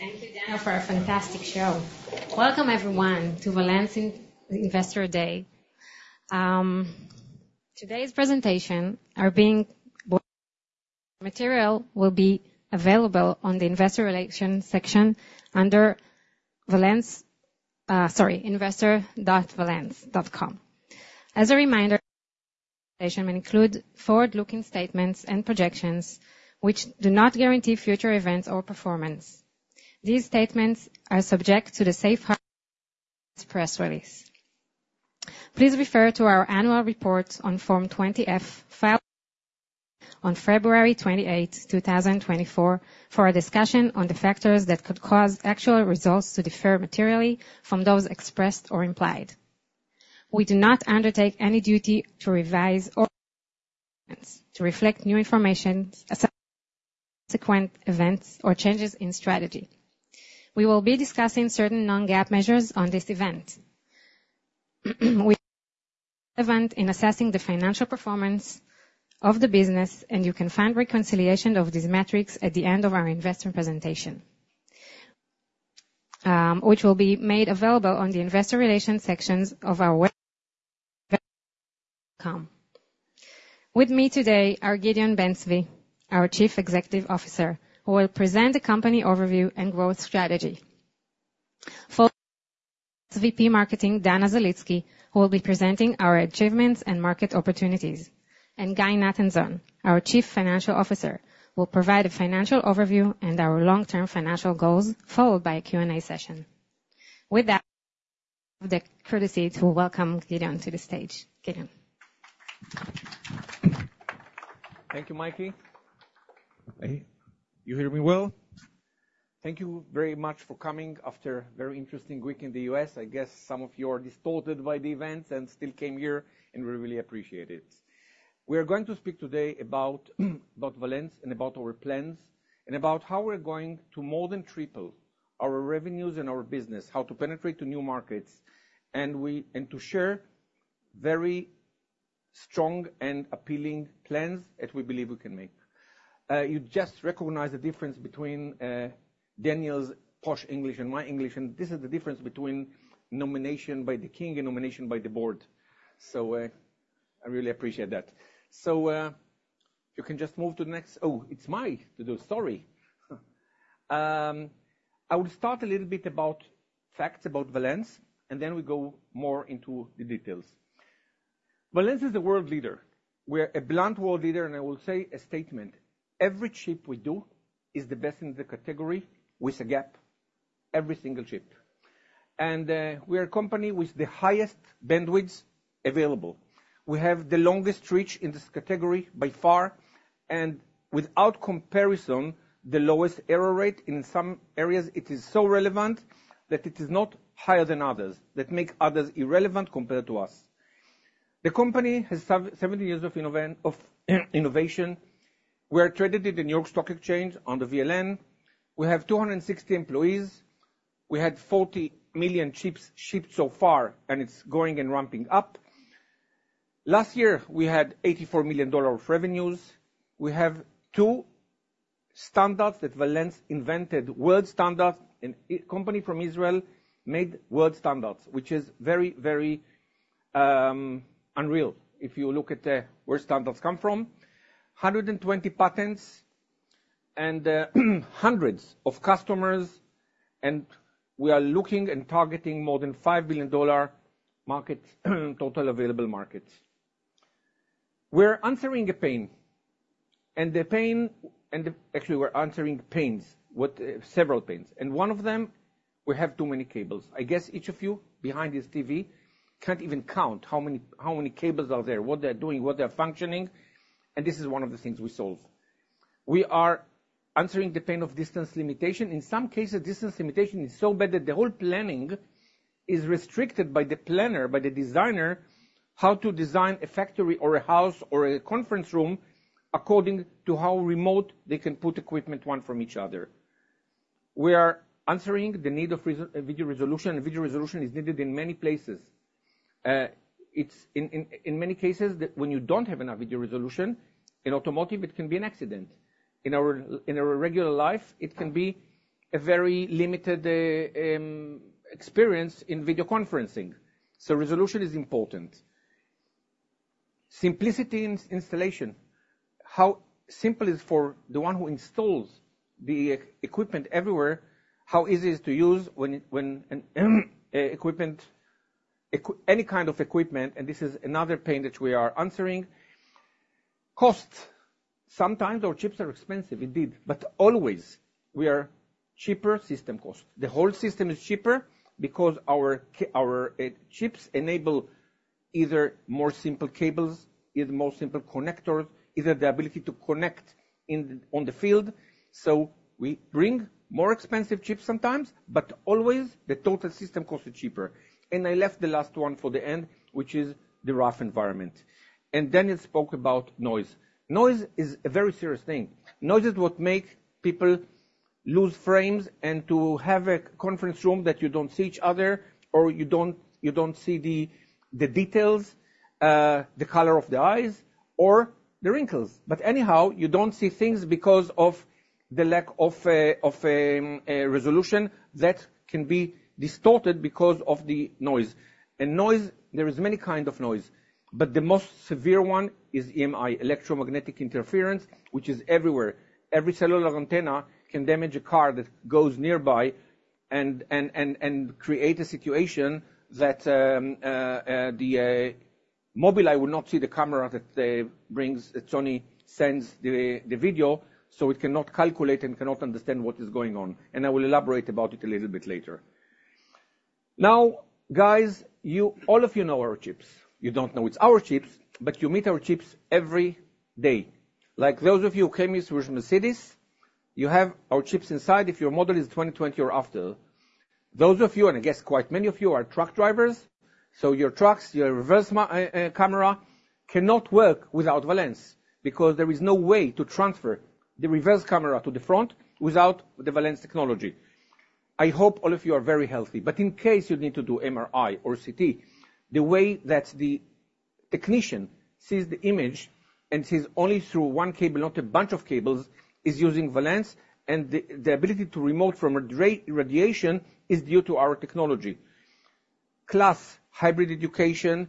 Thank you, Dana, for a fantastic show. Welcome, everyone, to Valens Investor Day. Today's presentation is being recorded. Material will be available on the Investor Relations section under Valens. Sorry, investor.valens.com. As a reminder, the presentation may include forward-looking statements and projections which do not guarantee future events or performance. These statements are subject to the safe harbor press release. Please refer to our annual report on Form 20-F, filed on February 28, 2024, for a discussion on the factors that could cause actual results to differ materially from those expressed or implied. We do not undertake any duty to revise or to reflect new information, subsequent events, or changes in strategy. We will be discussing certain non-GAAP measures on this event. We will be involved in assessing the financial performance of the business, and you can find reconciliation of these metrics at the end of our investor presentation, which will be made available on the Investor Relations section of our website. With me today are Gideon Ben-Zvi, our Chief Executive Officer, who will present the company overview and growth strategy. Following us, VP Marketing Dana Zelitzki, who will be presenting our achievements and market opportunities, and Guy Nathanzon, our Chief Financial Officer, will provide a financial overview and our long-term financial goals, followed by a Q&A session. With that, I'll give the courtesy to welcome Gideon to the stage. Gideon. Thank you, Mikey. Hey. You hear me well? Thank you very much for coming after a very interesting week in the U.S. I guess some of you are distracted by the events and still came here, and we really appreciate it. We are going to speak today about Valens and about our plans and about how we're going to more than triple our revenues and our business, how to penetrate to new markets, and to share very strong and appealing plans that we believe we can make. You just recognized the difference between Daniel's posh English and my English, and this is the difference between nomination by the king and nomination by the board. So I really appreciate that. So if you can just move to the next, oh, it's my, sorry. I will start a little bit about facts about Valens, and then we go more into the details. Valens is a world leader. We're a blunt world leader, and I will say a statement: every chip we do is the best in the category with a gap, every single chip, and we are a company with the highest bandwidth available. We have the longest reach in this category by far, and without comparison, the lowest error rate in some areas. It is so relevant that it is not higher than others that make others irrelevant compared to us. The company has 17 years of innovation. We are traded in the New York Stock Exchange on the VLN. We have 260 employees. We had 40 million chips shipped so far, and it's growing and ramping up. Last year, we had $84 million of revenues. We have two standards that Valens invented, world standards, and a company from Israel made world standards, which is very, very unreal if you look at where standards come from: 120 patents and hundreds of customers, and we are looking and targeting more than $5 billion market total available markets. We're answering a pain, and the pain, actually, we're answering pains, several pains, and one of them, we have too many cables. I guess each of you behind this TV can't even count how many cables are there, what they're doing, what they're functioning, and this is one of the things we solve. We are answering the pain of distance limitation. In some cases, distance limitation is so bad that the whole planning is restricted by the planner, by the designer, how to design a factory or a house or a conference room according to how remote they can put equipment one from each other. We are answering the need of video resolution, and video resolution is needed in many places. In many cases, when you don't have enough video resolution in automotive, it can be an accident. In our regular life, it can be a very limited experience in video conferencing. So resolution is important. Simplicity in installation. How simple is it for the one who installs the equipment everywhere? How easy is it to use any kind of equipment? And this is another pain that we are answering. Cost. Sometimes our chips are expensive. Indeed, but always we are cheaper system cost. The whole system is cheaper because our chips enable either more simple cables, either more simple connectors, either the ability to connect on the field. So we bring more expensive chips sometimes, but always the total system cost is cheaper. And I left the last one for the end, which is the rough environment. And Dana spoke about noise. Noise is a very serious thing. Noise is what makes people lose frames, and to have a conference room that you don't see each other or you don't see the details, the color of the eyes or the wrinkles. But anyhow, you don't see things because of the lack of resolution that can be distorted because of the noise. And noise, there are many kinds of noise, but the most severe one is EMI, electromagnetic interference, which is everywhere. Every cellular antenna can damage a car that goes nearby and create a situation that the mobile will not see the camera that Sony sends the video, so it cannot calculate and cannot understand what is going on, and I will elaborate about it a little bit later. Now, guys, all of you know our chips. You don't know it's our chips, but you meet our chips every day. Like those of you who came here with Mercedes, you have our chips inside if your model is 2020 or after. Those of you, and I guess quite many of you, are truck drivers, so your trucks, your reverse camera cannot work without Valens because there is no way to transfer the reverse camera to the front without the Valens technology. I hope all of you are very healthy, but in case you need to do MRI or CT, the way that the technician sees the image and sees only through one cable, not a bunch of cables, is using Valens, and the ability to remote from radiation is due to our technology. Class, hybrid education.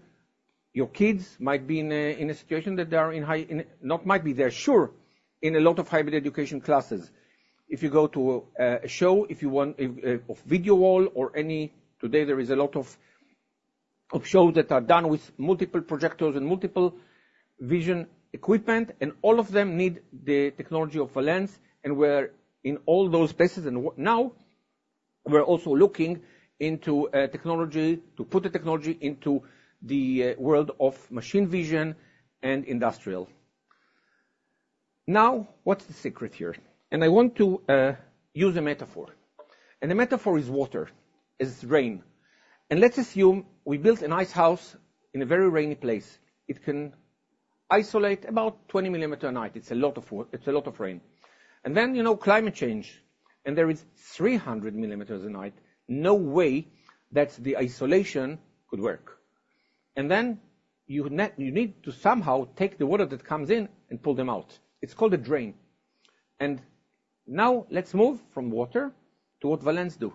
Your kids might be in a situation that they are in high—not might be, they're sure in a lot of hybrid education classes. If you go to a show, if you want a video wall or any—today, there is a lot of shows that are done with multiple projectors and multiple vision equipment, and all of them need the technology of Valens, and we're in all those places, and now we're also looking into technology to put the technology into the world of machine vision and industrial. Now, what's the secret here? And I want to use a metaphor. And the metaphor is water, is rain. And let's assume we built a nice house in a very rainy place. It can insulate about 20 mm a night. It's a lot of rain. And then climate change, and there is 300 mm a night. No way that the insulation could work. And now let's move from water to what Valens do.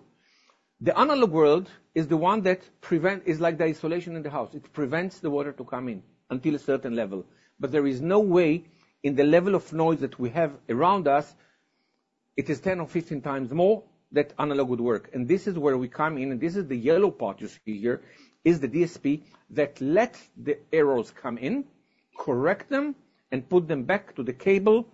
The analog world is the one that prevents. It's like the insulation in the house. It prevents the water to come in until a certain level. But there is no way in the level of noise that we have around us. It is 10x or 15x more than analog would work. And this is where we come in, and this is the yellow part you see here, is the DSP that lets the errors come in, correct them, and put them back to the cable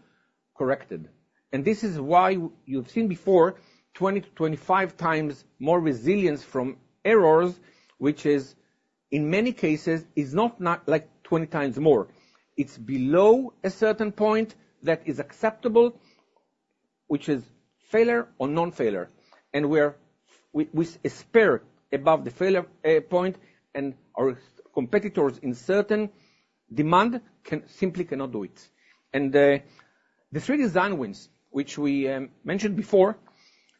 corrected. And this is why you've seen before 20x-25x more resilience from errors, which in many cases is not like 20x more. It's below a certain point that is acceptable, which is failure or non-failure. And we operate above the failure point, and our competitors in certain domains simply cannot do it. And the three design wins, which we mentioned before,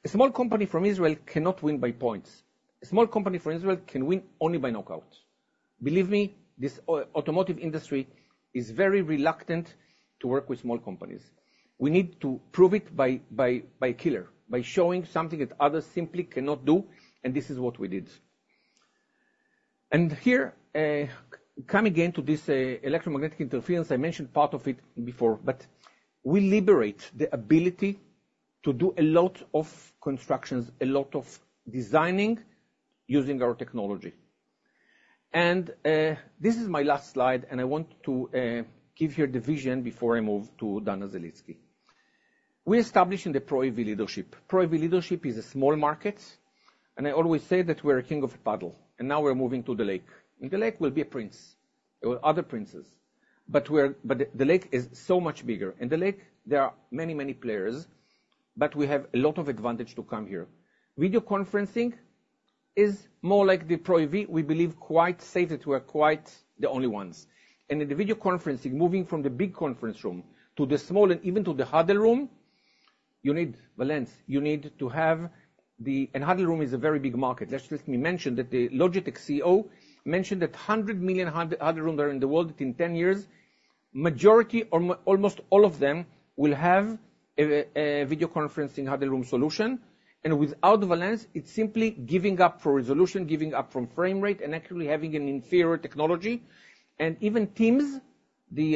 a small company from Israel cannot win by points. A small company from Israel can win only by knockout. Believe me, this automotive industry is very reluctant to work with small companies. We need to prove it by killer, by showing something that others simply cannot do, and this is what we did. Here, coming again to this electromagnetic interference, I mentioned part of it before, but we liberate the ability to do a lot of constructions, a lot of designing using our technology. This is my last slide, and I want to give here the vision before I move to Dana Zelitzki. We establish in the Pro AV leadership. Pro AV leadership is a small market, and I always say that we're a king of a puddle, and now we're moving to the lake. The lake will be a prince or other princes, but the lake is so much bigger. The lake, there are many, many players, but we have a lot of advantage to come here. Video conferencing is more like the Pro AV. We believe quite safe that we're quite the only ones, and in the video conferencing, moving from the big conference room to the small and even to the huddle room, you need Valens. You need to have the—and huddle room is a very big market. Let me mention that the Logitech CEO mentioned that 100 million huddle rooms are in the world in 10 years. Majority or almost all of them will have a video conferencing huddle room solution, and without Valens, it's simply giving up for resolution, giving up from frame rate, and actually having an inferior technology, and even Teams, the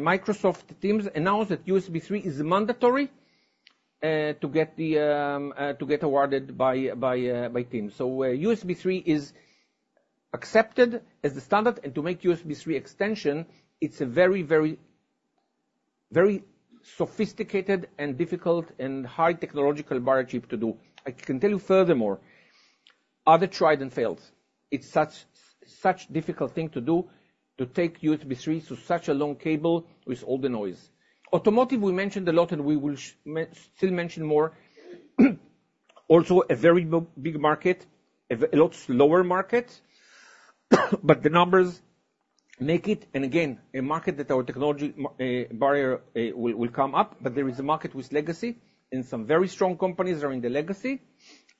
Microsoft Teams, announced that USB 3 is mandatory to get awarded by Teams, so USB 3 is accepted as the standard, and to make USB 3 extension, it's a very, very sophisticated and difficult and high technological bar chip to do. I can tell you furthermore, others tried and failed. It's such a difficult thing to do to take USB 3 through such a long cable with all the noise. Automotive, we mentioned a lot, and we will still mention more. Also, a very big market, a lot slower market, but the numbers make it. And again, a market that our technology barrier will come up, but there is a market with legacy, and some very strong companies are in the legacy,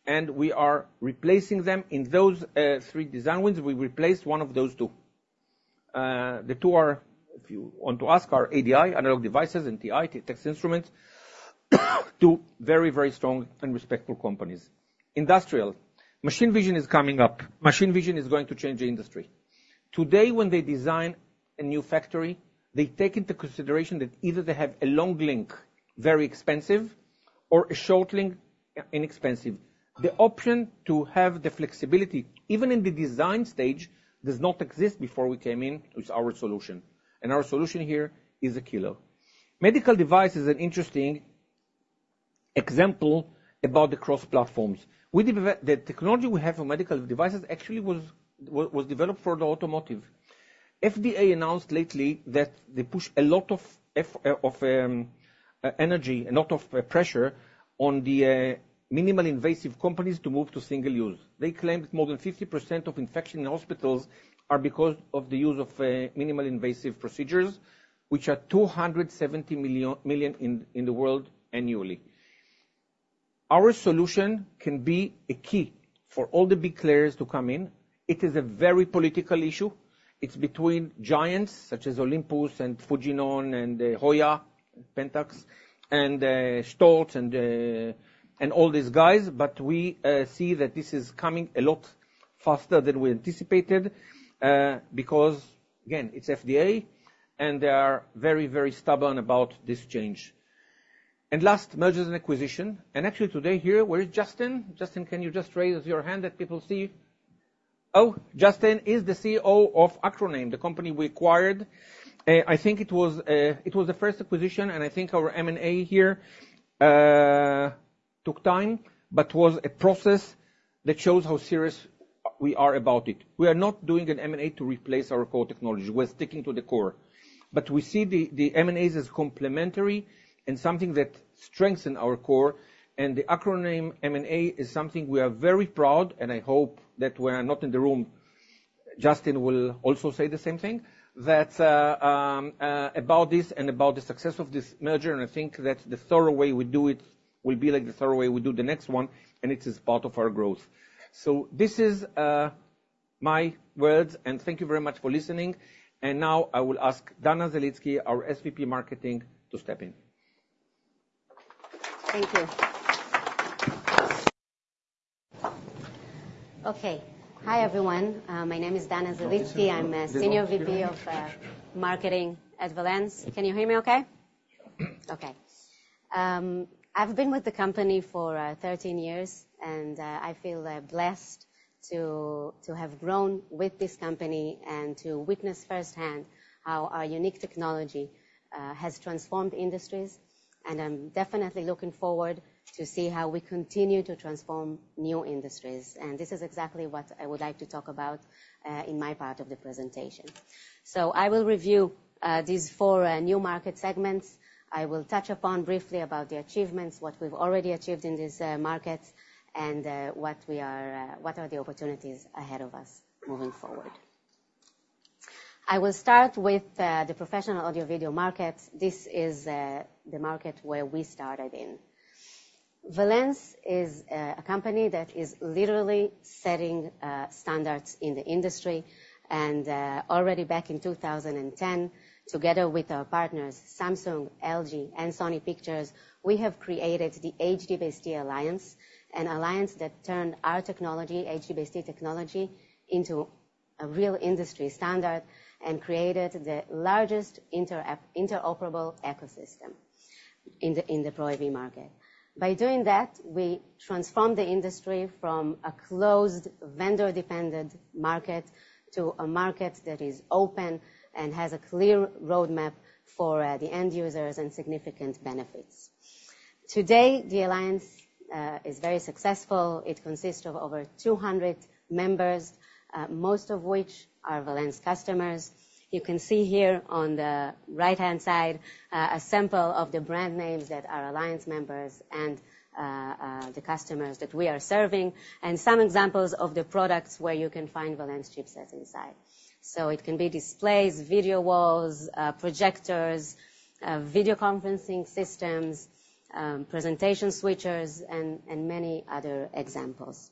and we are replacing them. In those three design wins, we replaced one of those two. The two are, if you want to ask, are ADI, Analog Devices, and TI, Texas Instruments, two very, very strong and respectable companies. Industrial, machine vision is coming up. Machine vision is going to change the industry. Today, when they design a new factory, they take into consideration that either they have a long link, very expensive, or a short link, inexpensive. The option to have the flexibility, even in the design stage, does not exist before we came in with our solution. And our solution here is a kilo. Medical device is an interesting example about the cross-platforms. The technology we have for medical devices actually was developed for the automotive. FDA announced lately that they push a lot of energy, a lot of pressure on the minimally invasive companies to move to single use. They claimed more than 50% of infection in hospitals are because of the use of minimally invasive procedures, which are 270 million in the world annually. Our solution can be a key for all the big players to come in. It is a very political issue. It's between giants such as Olympus and Fujinon and Hoya and Pentax and Karl Storz and all these guys, but we see that this is coming a lot faster than we anticipated because, again, it's FDA, and they are very, very stubborn about this change. Last, mergers and acquisition. Actually today here, where is Justin? Justin, can you just raise your hand that people see? Oh, Justin is the CEO of Acroname, the company we acquired. I think it was the first acquisition, and I think our M&A here took time, but was a process that shows how serious we are about it. We are not doing an M&A to replace our core technology. We're sticking to the core. But we see the M&As as complementary and something that strengthens our core. And the Acroname M&A is something we are very proud, and I hope that when I'm not in the room, Justin will also say the same thing about this and about the success of this merger. And I think that the thorough way we do it will be like the thorough way we do the next one, and it is part of our growth. So this is my words, and thank you very much for listening. And now I will ask Dana Zelitski, our SVP Marketing, to step in. Thank you. Okay. Hi, everyone. My name is Dana Zelitzki. I'm a senior VP of Marketing at Valens. Can you hear me okay? Okay. I've been with the company for 13 years, and I feel blessed to have grown with this company and to witness firsthand how our unique technology has transformed industries. And I'm definitely looking forward to see how we continue to transform new industries. And this is exactly what I would like to talk about in my part of the presentation. So I will review these four new market segments. I will touch upon briefly about the achievements, what we've already achieved in this market, and what are the opportunities ahead of us moving forward. I will start with the professional audio video market. This is the market where we started in. Valens is a company that is literally setting standards in the industry. Already back in 2010, together with our partners, Samsung, LG, and Sony Pictures, we have created the HDBaseT Alliance, an alliance that turned our technology, HDBaseT technology, into a real industry standard and created the largest interoperable ecosystem in the Pro AV market. By doing that, we transformed the industry from a closed vendor-dependent market to a market that is open and has a clear roadmap for the end users and significant benefits. Today, the Alliance is very successful. It consists of over 200 members, most of which are Valens customers. You can see here on the right-hand side a sample of the brand names that are Alliance members and the customers that we are serving, and some examples of the products where you can find Valens chipsets inside. It can be displays, video walls, projectors, video conferencing systems, presentation switchers, and many other examples.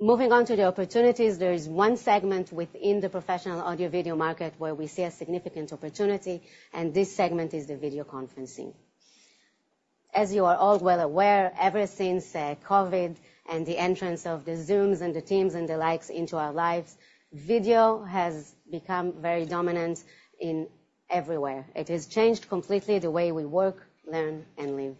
Moving on to the opportunities, there is one segment within the professional audio video market where we see a significant opportunity, and this segment is the video conferencing. As you are all well aware, ever since COVID and the entrance of the Zooms and the Teams and the likes into our lives, video has become very dominant everywhere. It has changed completely the way we work, learn, and live.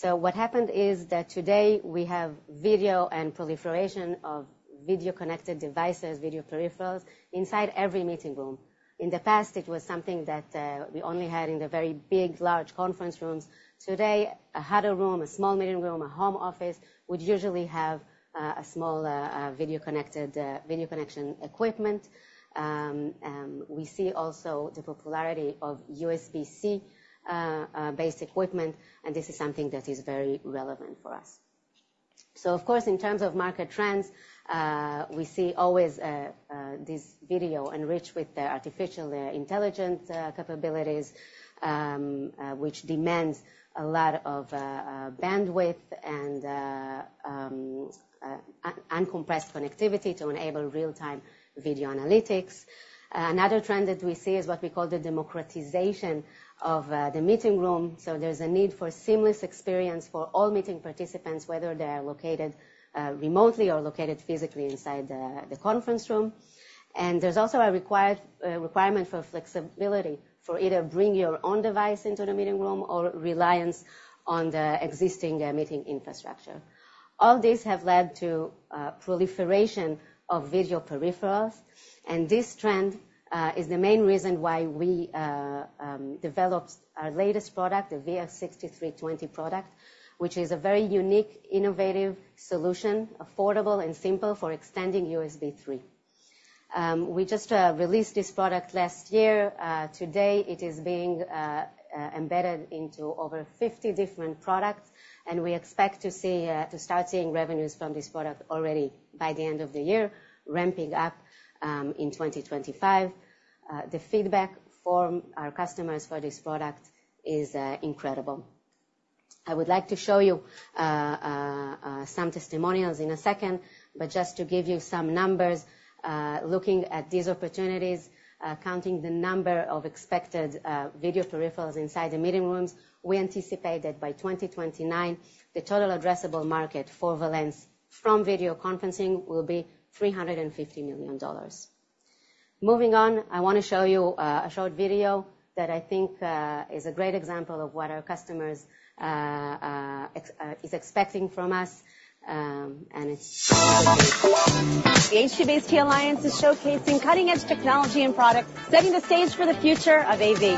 So what happened is that today we have video and proliferation of video connected devices, video peripherals inside every meeting room. In the past, it was something that we only had in the very big, large conference rooms. Today, a huddle room, a small meeting room, a home office would usually have a small video connection equipment. We see also the popularity of USB-C based equipment, and this is something that is very relevant for us. So of course, in terms of market trends, we see always this video enriched with artificial intelligence capabilities, which demands a lot of bandwidth and uncompressed connectivity to enable real-time video analytics. Another trend that we see is what we call the democratization of the meeting room. So there's a need for seamless experience for all meeting participants, whether they are located remotely or located physically inside the conference room. And there's also a requirement for flexibility for either bringing your own device into the meeting room or reliance on the existing meeting infrastructure. All these have led to proliferation of video peripherals. And this trend is the main reason why we developed our latest product, the VS6320 product, which is a very unique, innovative solution, affordable, and simple for extending USB 3.0. We just released this product last year. Today, it is being embedded into over 50 different products, and we expect to start seeing revenues from this product already by the end of the year, ramping up in 2025. The feedback from our customers for this product is incredible. I would like to show you some testimonials in a second, but just to give you some numbers, looking at these opportunities, counting the number of expected video peripherals inside the meeting rooms, we anticipate that by 2029, the total addressable market for Valens from video conferencing will be $350 million. Moving on, I want to show you a short video that I think is a great example of what our customers are expecting from us, and it's the- HDBaseT Alliance showcasing cutting-edge technology and products, setting the stage for the future of AV.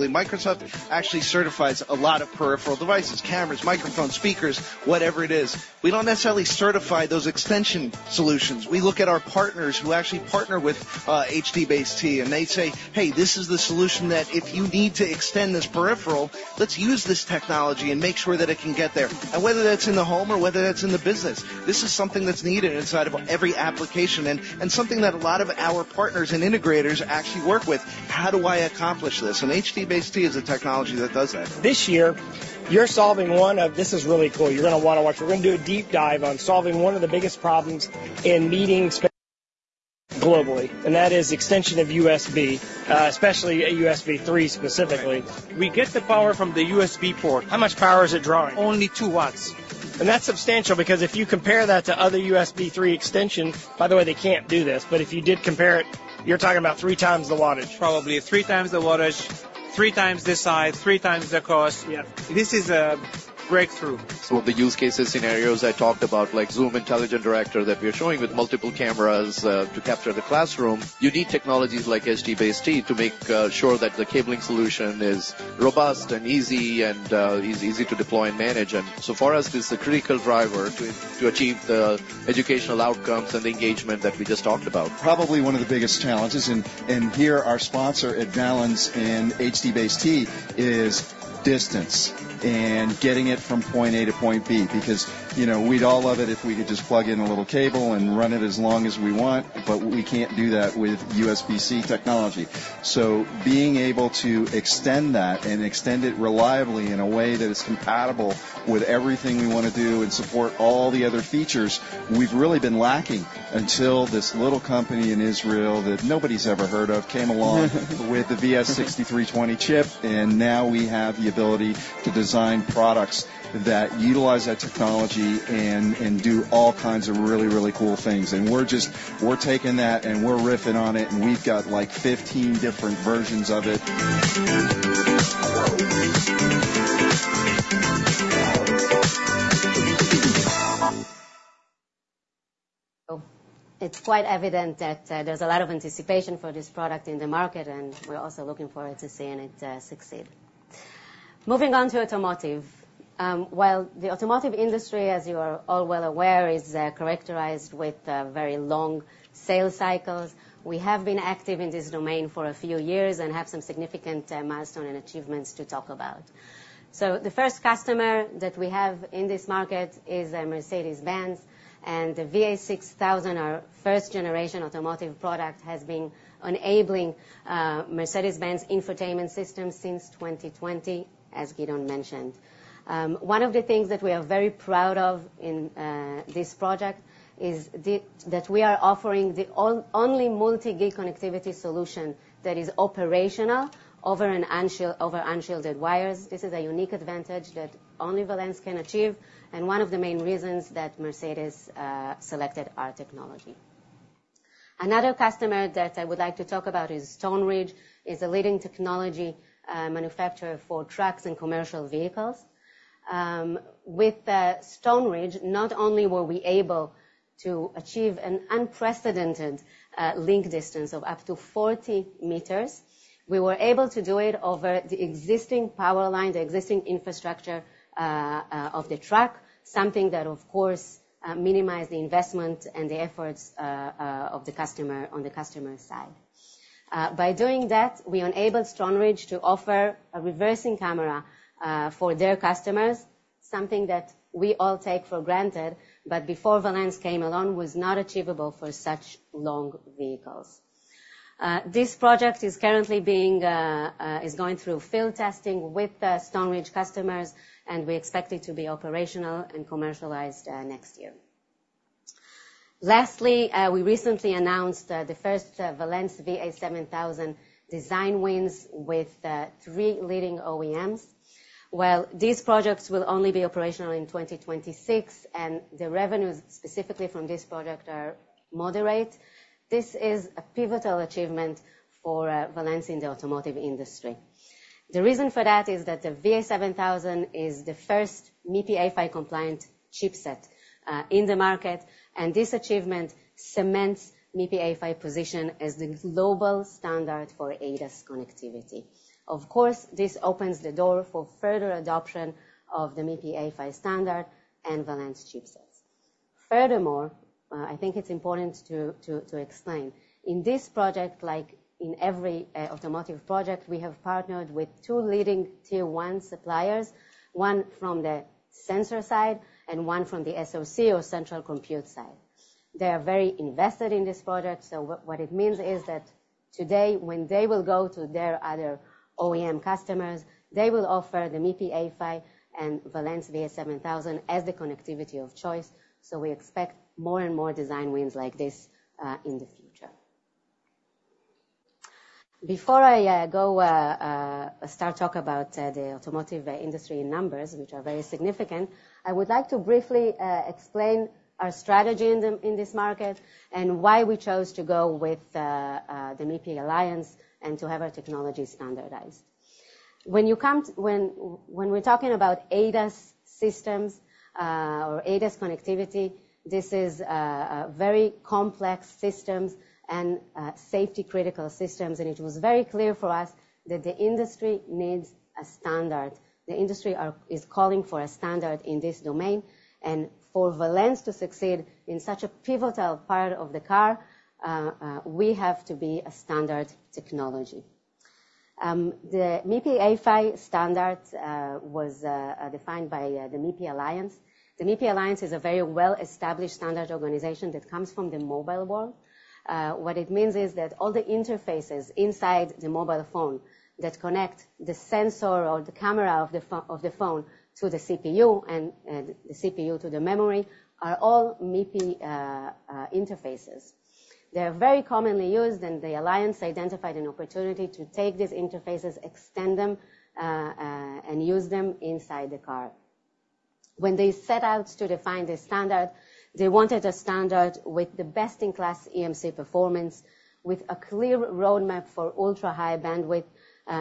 Basically, Microsoft actually certifies a lot of peripheral devices, cameras, microphones, speakers, whatever it is. We don't necessarily certify those extension solutions. We look at our partners who actually partner with HDBaseT, and they say, "Hey, this is the solution that if you need to extend this peripheral, let's use this technology and make sure that it can get there." And whether that's in the home or whether that's in the business, this is something that's needed inside of every application and something that a lot of our partners and integrators actually work with. How do I accomplish this? And HDBaseT is a technology that does that. This year, you're solving one of this. This is really cool. You're going to want to watch. We're going to do a deep dive on solving one of the biggest problems in meetings globally, and that is extension of USB, especially USB 3 specifically. We get the power from the USB port. How much power is it drawing? Only 2 watts. That's substantial because if you compare that to other USB 3 extension, by the way, they can't do this, but if you did compare it, you're talking about three times the wattage. Probably three times the wattage, three times the size, three times the cost. Yeah. This is a breakthrough. So the use cases scenarios I talked about, like Zoom Intelligent Director that we are showing with multiple cameras to capture the classroom, you need technologies like HDBaseT to make sure that the cabling solution is robust and easy to deploy and manage. And so for us, it's a critical driver to achieve the educational outcomes and the engagement that we just talked about. Probably one of the biggest challenges, and here our sponsor at Valens and HDBaseT is distance and getting it from point A to point B because we'd all love it if we could just plug in a little cable and run it as long as we want, but we can't do that with USB-C technology. So being able to extend that and extend it reliably in a way that is compatible with everything we want to do and support all the other features, we've really been lacking until this little company in Israel that nobody's ever heard of came along with the VS6320 chip. And now we have the ability to design products that utilize that technology and do all kinds of really, really cool things. And we're just - we're taking that and we're riffing on it, and we've got like 15 different versions of it. It's quite evident that there's a lot of anticipation for this product in the market, and we're also looking forward to seeing it succeed. Moving on to automotive. While the automotive industry, as you are all well aware, is characterized with very long sales cycles, we have been active in this domain for a few years and have some significant milestones and achievements to talk about. So the first customer that we have in this market is Mercedes-Benz, and the VA6000, our first-generation automotive product, has been enabling Mercedes-Benz infotainment systems since 2020, as Gideon mentioned. One of the things that we are very proud of in this project is that we are offering the only multi-gig connectivity solution that is operational over unshielded wires. This is a unique advantage that only Valens can achieve, and one of the main reasons that Mercedes selected our technology. Another customer that I would like to talk about is Stoneridge, which is a leading technology manufacturer for trucks and commercial vehicles. With Stoneridge, not only were we able to achieve an unprecedented link distance of up to 40 m, we were able to do it over the existing power line, the existing infrastructure of the truck, something that, of course, minimized the investment and the efforts of the customer on the customer side. By doing that, we enabled Stoneridge to offer a reversing camera for their customers, something that we all take for granted, but before Valens came along, was not achievable for such long vehicles. This project is currently going through field testing with Stoneridge customers, and we expect it to be operational and commercialized next year. Lastly, we recently announced the first Valens VA7000 design wins with three leading OEMs. These projects will only be operational in 2026, and the revenues specifically from this project are moderate. This is a pivotal achievement for Valens in the automotive industry. The reason for that is that the VA7000 is the first MIPI A-PHY compliant chipset in the market, and this achievement cements MIPI A-PHY position as the global standard for ADAS connectivity. Of course, this opens the door for further adoption of the MIPI A-PHY standard and Valens chipsets. Furthermore, I think it's important to explain. In this project, like in every automotive project, we have partnered with two leading tier one suppliers, one from the sensor side and one from the SoC or central compute side. They are very invested in this project. So what it means is that today, when they will go to their other OEM customers, they will offer the MIPI A-PHY and Valens VA7000 as the connectivity of choice. So we expect more and more design wins like this in the future. Before I go and start talking about the automotive industry in numbers, which are very significant, I would like to briefly explain our strategy in this market and why we chose to go with the MIPI Alliance and to have our technology standardized. When we're talking about ADAS systems or ADAS connectivity, this is a very complex system and safety-critical systems, and it was very clear for us that the industry needs a standard. The industry is calling for a standard in this domain, and for Valens to succeed in such a pivotal part of the car, we have to be a standard technology. The MIPI A-PHY standard was defined by the MIPI Alliance. The MIPI Alliance is a very well-established standard organization that comes from the mobile world. What it means is that all the interfaces inside the mobile phone that connect the sensor or the camera of the phone to the CPU and the CPU to the memory are all MIPI interfaces. They are very commonly used, and the Alliance identified an opportunity to take these interfaces, extend them, and use them inside the car. When they set out to define the standard, they wanted a standard with the best-in-class EMC performance, with a clear roadmap for ultra-high bandwidth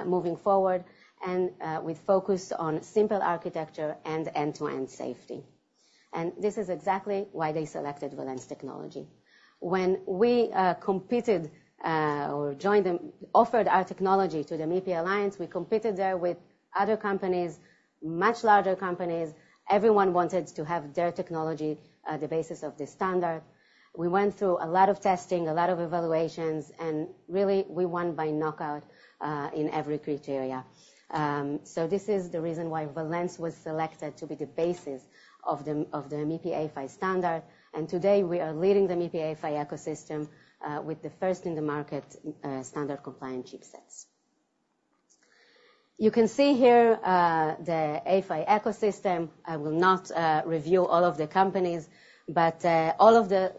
moving forward, and with focus on simple architecture and end-to-end safety, and this is exactly why they selected Valens technology. When we competed or offered our technology to the MIPI Alliance, we competed there with other companies, much larger companies. Everyone wanted to have their technology at the basis of the standard. We went through a lot of testing, a lot of evaluations, and really, we won by knockout in every criteria. So this is the reason why Valens was selected to be the basis of the MIPI A-PHY standard. And today, we are leading the MIPI A-PHY ecosystem with the first in the market standard compliant chipsets. You can see here the A-PHY ecosystem. I will not review all of the companies, but all of the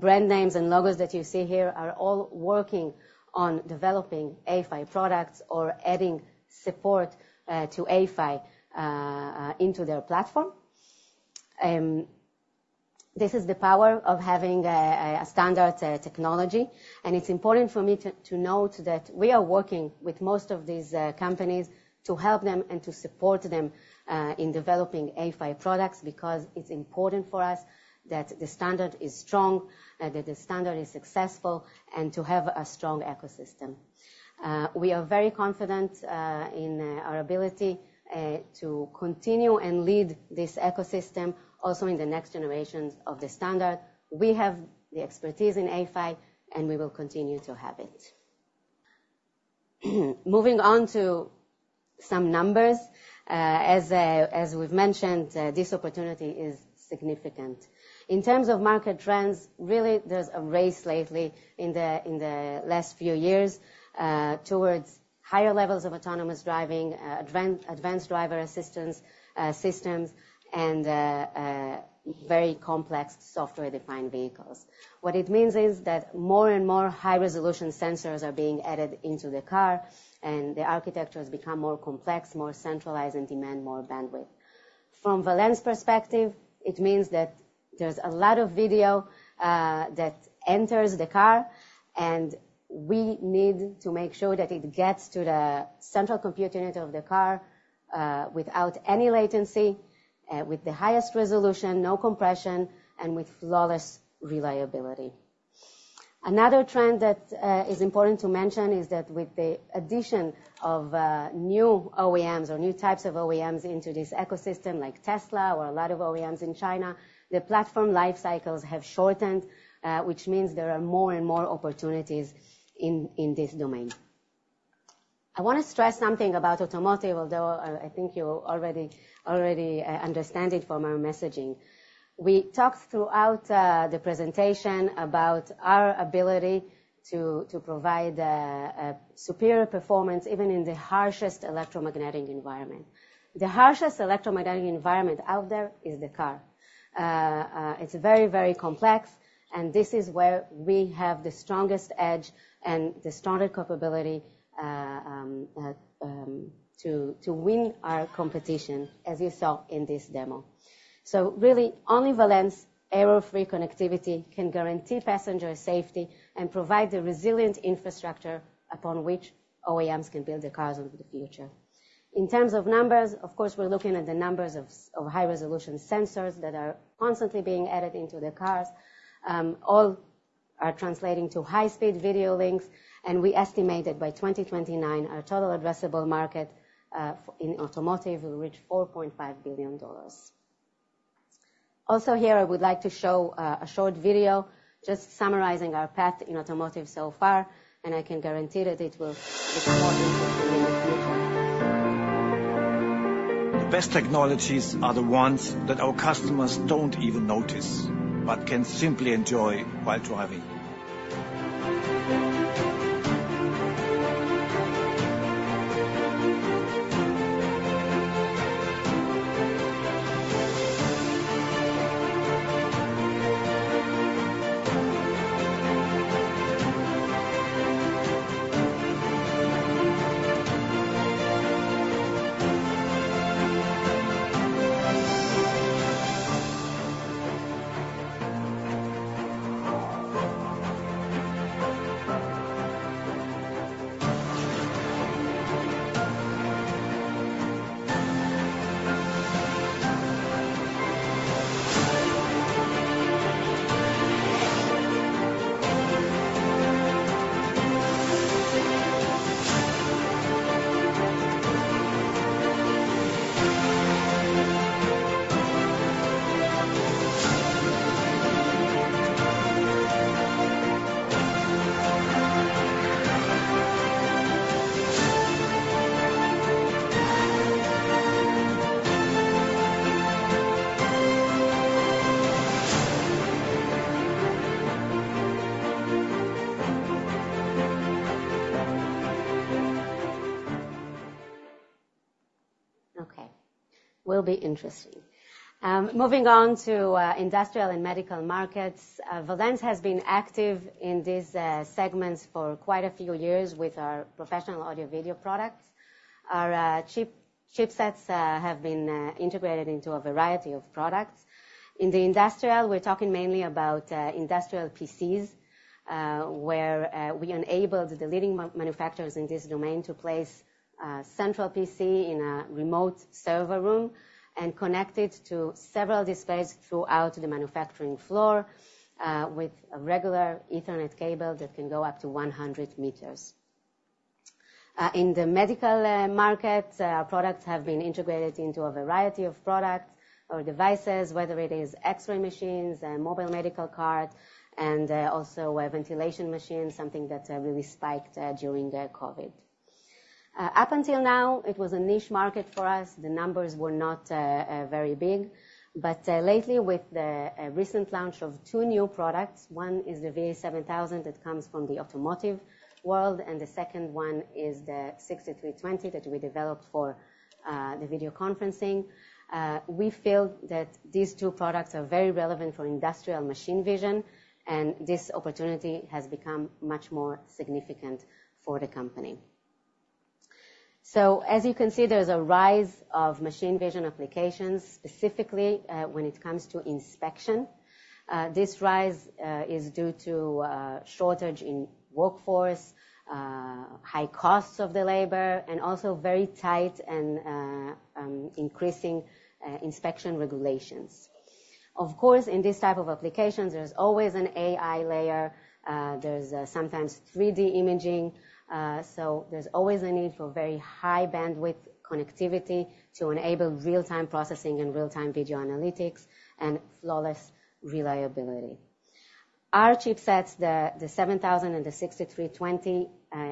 brand names and logos that you see here are all working on developing A-PHY products or adding support to A-PHY into their platform. This is the power of having a standard technology, and it's important for me to note that we are working with most of these companies to help them and to support them in developing A-PHY products because it's important for us that the standard is strong and that the standard is successful and to have a strong ecosystem. We are very confident in our ability to continue and lead this ecosystem also in the next generations of the standard. We have the expertise in A-PHY, and we will continue to have it. Moving on to some numbers, as we've mentioned, this opportunity is significant. In terms of market trends, really, there's a race lately in the last few years towards higher levels of autonomous driving, advanced driver assistance systems, and very complex software-defined vehicles. What it means is that more and more high-resolution sensors are being added into the car, and the architectures become more complex, more centralized, and demand more bandwidth. From Valens' perspective, it means that there's a lot of video that enters the car, and we need to make sure that it gets to the central compute unit of the car without any latency, with the highest resolution, no compression, and with flawless reliability. Another trend that is important to mention is that with the addition of new OEMs or new types of OEMs into this ecosystem, like Tesla or a lot of OEMs in China, the platform lifecycles have shortened, which means there are more and more opportunities in this domain. I want to stress something about automotive, although I think you already understand it from our messaging. We talked throughout the presentation about our ability to provide superior performance even in the harshest electromagnetic environment. The harshest electromagnetic environment out there is the car. It's very, very complex, and this is where we have the strongest edge and the strongest capability to win our competition, as you saw in this demo. So really, only Valens' error-free connectivity can guarantee passenger safety and provide the resilient infrastructure upon which OEMs can build their cars into the future. In terms of numbers, of course, we're looking at the numbers of high-resolution sensors that are constantly being added into the cars. All are translating to high-speed video links, and we estimate that by 2029, our total addressable market in automotive will reach $4.5 billion. Also, here, I would like to show a short video just summarizing our path in automotive so far, and I can guarantee that it will be more useful in the future. The best technologies are the ones that our customers don't even notice but can simply enjoy while driving. Okay. Will be interesting. Moving on to industrial and medical markets, Valens has been active in these segments for quite a few years with our professional audio-video products. Our chipsets have been integrated into a variety of products. In the industrial, we're talking mainly about industrial PCs, where we enabled the leading manufacturers in this domain to place a central PC in a remote server room and connect it to several displays throughout the manufacturing floor with a regular Ethernet cable that can go up to 100 m. In the medical market, our products have been integrated into a variety of products or devices, whether it is X-ray machines, mobile medical carts, and also ventilation machines, something that really spiked during COVID. Up until now, it was a niche market for us. The numbers were not very big, but lately, with the recent launch of two new products, one is the VA7000 that comes from the automotive world, and the second one is the VS6320 that we developed for the video conferencing. We feel that these two products are very relevant for industrial machine vision, and this opportunity has become much more significant for the company. So, as you can see, there is a rise of machine vision applications, specifically when it comes to inspection. This rise is due to shortage in workforce, high costs of the labor, and also very tight and increasing inspection regulations. Of course, in these types of applications, there's always an AI layer. There's sometimes 3D imaging, so there's always a need for very high bandwidth connectivity to enable real-time processing and real-time video analytics and flawless reliability. Our chipsets, the VA7000 and the VS6320,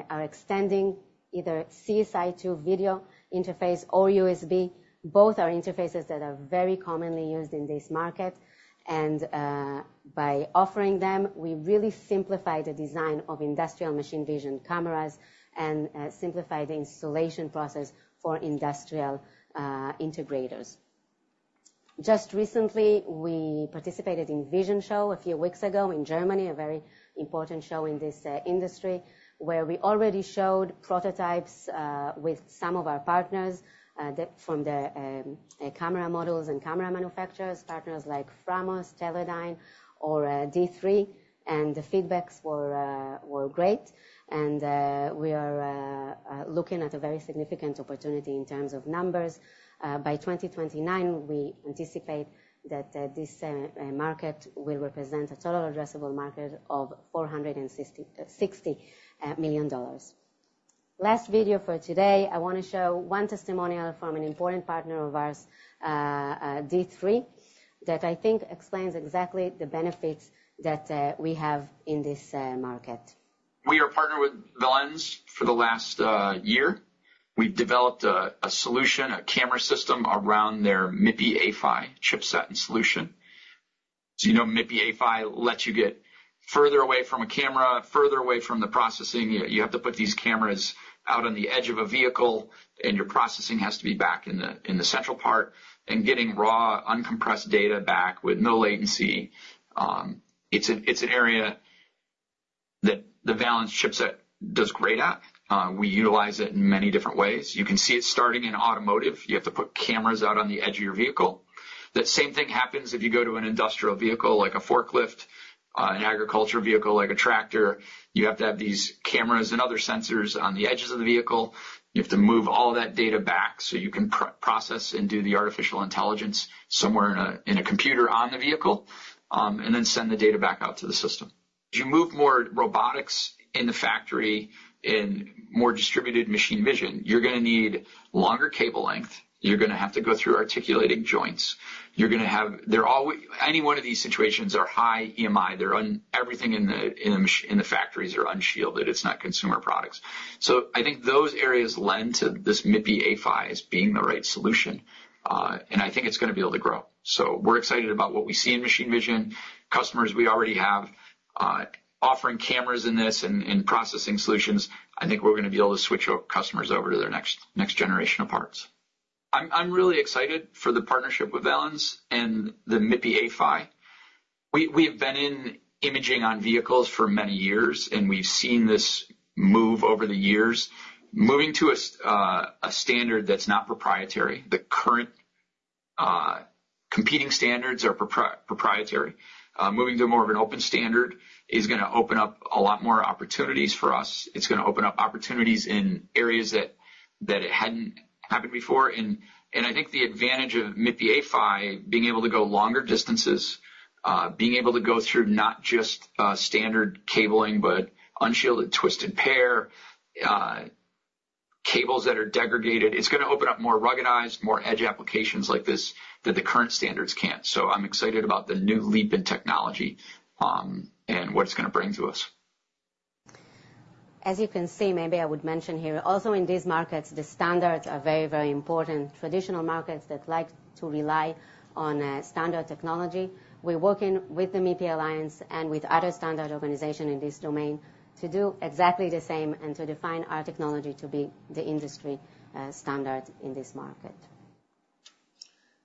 are extending either CSI-2 video interface or USB. Both are interfaces that are very commonly used in this market, and by offering them, we really simplify the design of industrial machine vision cameras and simplify the installation process for industrial integrators. Just recently, we participated in Vision Show a few weeks ago in Germany, a very important show in this industry, where we already showed prototypes with some of our partners from the camera modules and camera manufacturers, partners like Framos, Teledyne, or D3, and the feedback was great, and we are looking at a very significant opportunity in terms of numbers. By 2029, we anticipate that this market will represent a total addressable market of $460 million. Last video for today, I want to show one testimonial from an important partner of ours, D3, that I think explains exactly the benefits that we have in this market. We are partnered with Valens for the last year. We've developed a solution, a camera system around their MIPI A-PHY chipset and solution. So you know MIPI A-PHY lets you get further away from a camera, further away from the processing. You have to put these cameras out on the edge of a vehicle, and your processing has to be back in the central part and getting raw, uncompressed data back with no latency. It's an area that the Valens chipset does great at. We utilize it in many different ways. You can see it starting in automotive. You have to put cameras out on the edge of your vehicle. That same thing happens if you go to an industrial vehicle like a forklift, an agriculture vehicle like a tractor. You have to have these cameras and other sensors on the edges of the vehicle. You have to move all that data back so you can process and do the artificial intelligence somewhere in a computer on the vehicle and then send the data back out to the system. As you move more robotics in the factory and more distributed machine vision, you're going to need longer cable length. You're going to have to go through articulating joints. You're going to have any one of these situations are high EMI. Everything in the factories are unshielded. It's not consumer products. So I think those areas lend to this MIPI A-PHY as being the right solution, and I think it's going to be able to grow. So we're excited about what we see in machine vision. Customers we already have offering cameras in this and processing solutions, I think we're going to be able to switch our customers over to their next generation of parts. I'm really excited for the partnership with Valens and the MIPI A-PHY. We have been in imaging on vehicles for many years, and we've seen this move over the years. Moving to a standard that's not proprietary, the current competing standards are proprietary. Moving to more of an open standard is going to open up a lot more opportunities for us. It's going to open up opportunities in areas that it hadn't happened before. And I think the advantage of MIPI A-PHY, being able to go longer distances, being able to go through not just standard cabling, but unshielded twisted pair, cables that are degraded, it's going to open up more ruggedized, more edge applications like this that the current standards can't. So I'm excited about the new leap in technology and what it's going to bring to us. As you can see, maybe I would mention here, also in these markets, the standards are very, very important. Traditional markets that like to rely on standard technology, we're working with the MIPI Alliance and with other standard organizations in this domain to do exactly the same and to define our technology to be the industry standard in this market.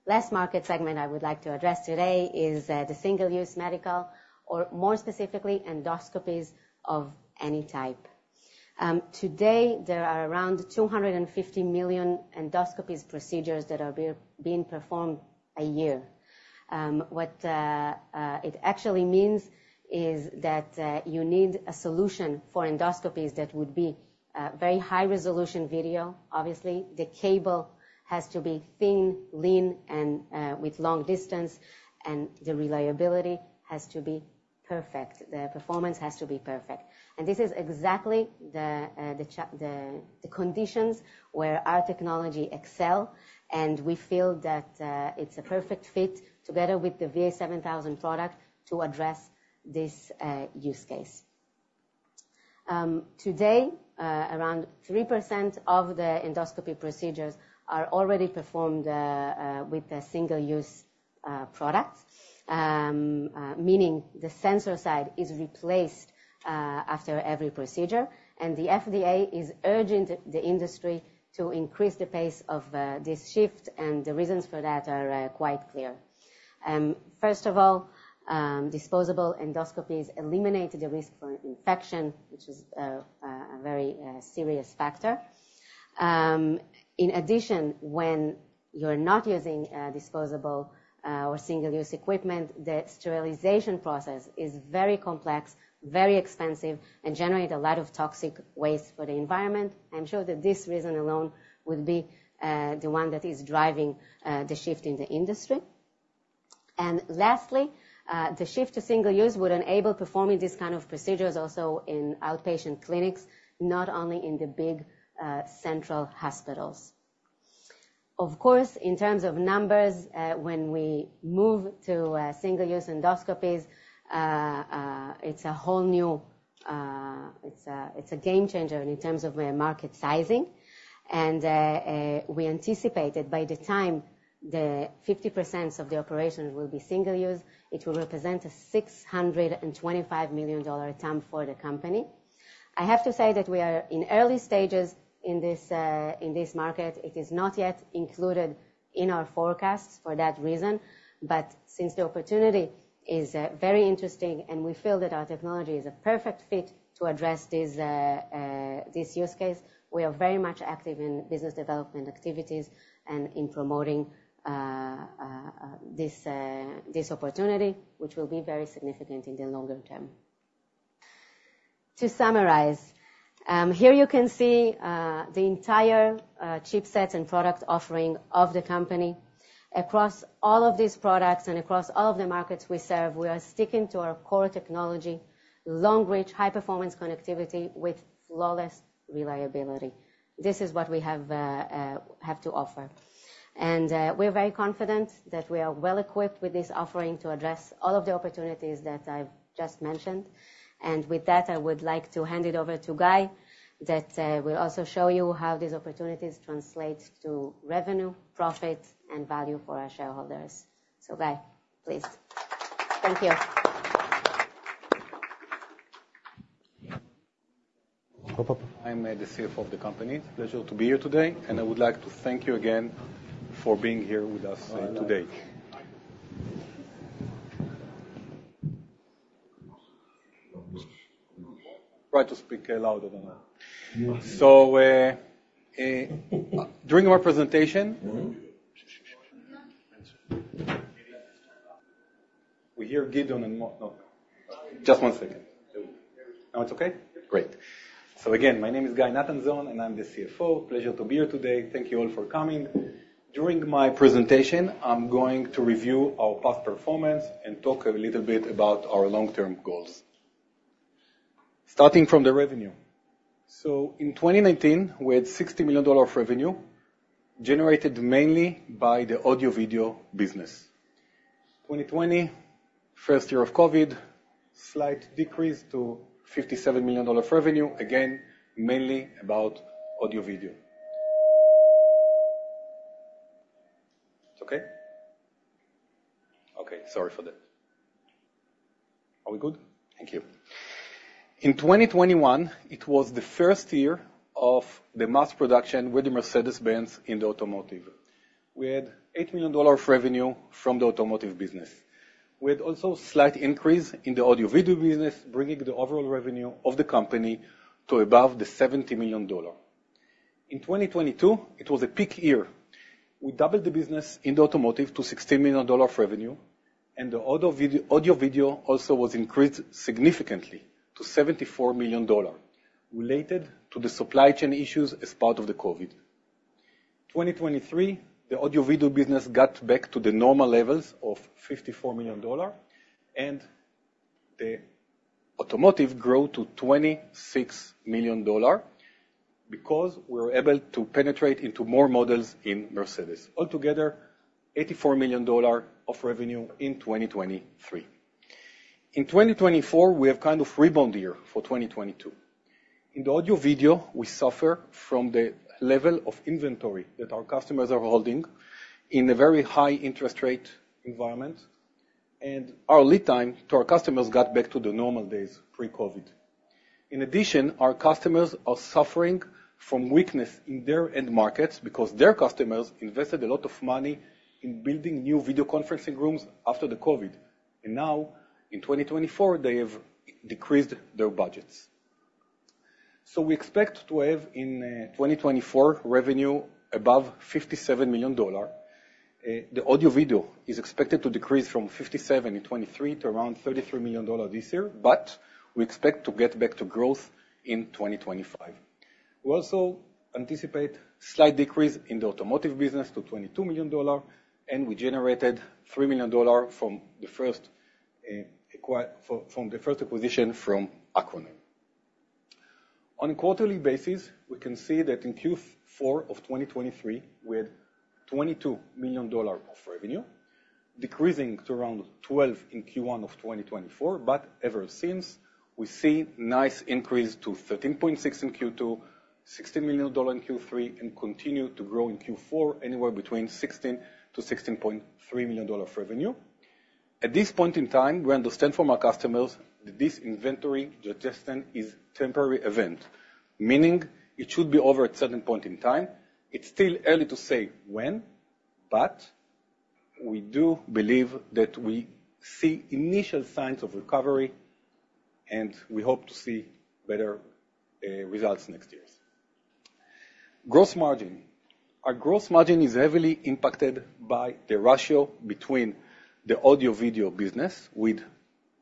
Last market segment I would like to address today is the single-use medical, or more specifically, endoscopy of any type. Today, there are around 250 million endoscopy procedures that are being performed a year. What it actually means is that you need a solution for endoscopy that would be very high-resolution video. Obviously, the cable has to be thin, lean, and with long distance, and the reliability has to be perfect. The performance has to be perfect. And this is exactly the conditions where our technology excels, and we feel that it's a perfect fit together with the VA7000 product to address this use case. Today, around 3% of the endoscopy procedures are already performed with a single-use product, meaning the sensor side is replaced after every procedure, and the FDA is urging the industry to increase the pace of this shift, and the reasons for that are quite clear. First of all, disposable endoscopies eliminate the risk for infection, which is a very serious factor. In addition, when you're not using disposable or single-use equipment, the sterilization process is very complex, very expensive, and generates a lot of toxic waste for the environment. I'm sure that this reason alone would be the one that is driving the shift in the industry. Lastly, the shift to single-use would enable performing these kinds of procedures also in outpatient clinics, not only in the big central hospitals. Of course, in terms of numbers, when we move to single-use endoscopies, it's a whole new game changer in terms of market sizing. We anticipate that by the time 50% of the operations will be single-use, it will represent a $625 million TAM for the company. I have to say that we are in early stages in this market. It is not yet included in our forecasts for that reason, but since the opportunity is very interesting and we feel that our technology is a perfect fit to address this use case, we are very much active in business development activities and in promoting this opportunity, which will be very significant in the longer term. To summarize, here you can see the entire chipset and product offering of the company. Across all of these products and across all of the markets we serve, we are sticking to our core technology, long-reach, high-performance connectivity with flawless reliability. This is what we have to offer. And we're very confident that we are well-equipped with this offering to address all of the opportunities that I've just mentioned. And with that, I would like to hand it over to Guy that will also show you how these opportunities translate to revenue, profit, and value for our shareholders. So Guy, please. Thank you. I'm the CFO of the company. It's a pleasure to be here today, and I would like to thank you again for being here with us today. Try to speak louder than that. So during our presentation, we'll hear Gideon in just one second. Now it's okay? Great. So again, my name is Guy Nathanzon, and I'm the CFO. Pleasure to be here today. Thank you all for coming. During my presentation, I'm going to review our past performance and talk a little bit about our long-term goals, starting from the revenue. In 2019, we had $60 million revenue generated mainly by the audio-video business. 2020, first year of COVID, slight decrease to $57 million revenue, again, mainly about audio-video. Okay? Okay. Sorry for that. Are we good? Thank you. In 2021, it was the first year of the mass production with the Mercedes-Benz in the automotive. We had $8 million revenue from the automotive business. We had also a slight increase in the audio-video business, bringing the overall revenue of the company to above the $70 million. In 2022, it was a peak year. We doubled the business in the automotive to $16 million revenue, and the audio-video also was increased significantly to $74 million, related to the supply chain issues as part of the COVID. In 2023, the audio-video business got back to the normal levels of $54 million, and the automotive grew to $26 million because we were able to penetrate into more models in Mercedes. Altogether, $84 million of revenue in 2023. In 2024, we have kind of a rebound year for 2022. In the audio-video, we suffer from the level of inventory that our customers are holding in a very high interest rate environment, and our lead time to our customers got back to the normal days pre-COVID. In addition, our customers are suffering from weakness in their end markets because their customers invested a lot of money in building new video conferencing rooms after the COVID, and now, in 2024, they have decreased their budgets, so we expect to have in 2024 revenue above $57 million. The audio-video is expected to decrease from $57 in 2023 to around $33 million this year, but we expect to get back to growth in 2025. We also anticipate a slight decrease in the automotive business to $22 million, and we generated $3 million from the first acquisition from Acroname. On a quarterly basis, we can see that in Q4 of 2023, we had $22 million of revenue, decreasing to around $12 in Q1 of 2024, but ever since, we see a nice increase to $13.6 in Q2, $16 million in Q3, and continue to grow in Q4 anywhere between $16 million-$16.3 million revenue. At this point in time, we understand from our customers that this inventory adjustment is a temporary event, meaning it should be over at a certain point in time. It's still early to say when, but we do believe that we see initial signs of recovery, and we hope to see better results next year. Gross margin. Our gross margin is heavily impacted by the ratio between the audio-video business with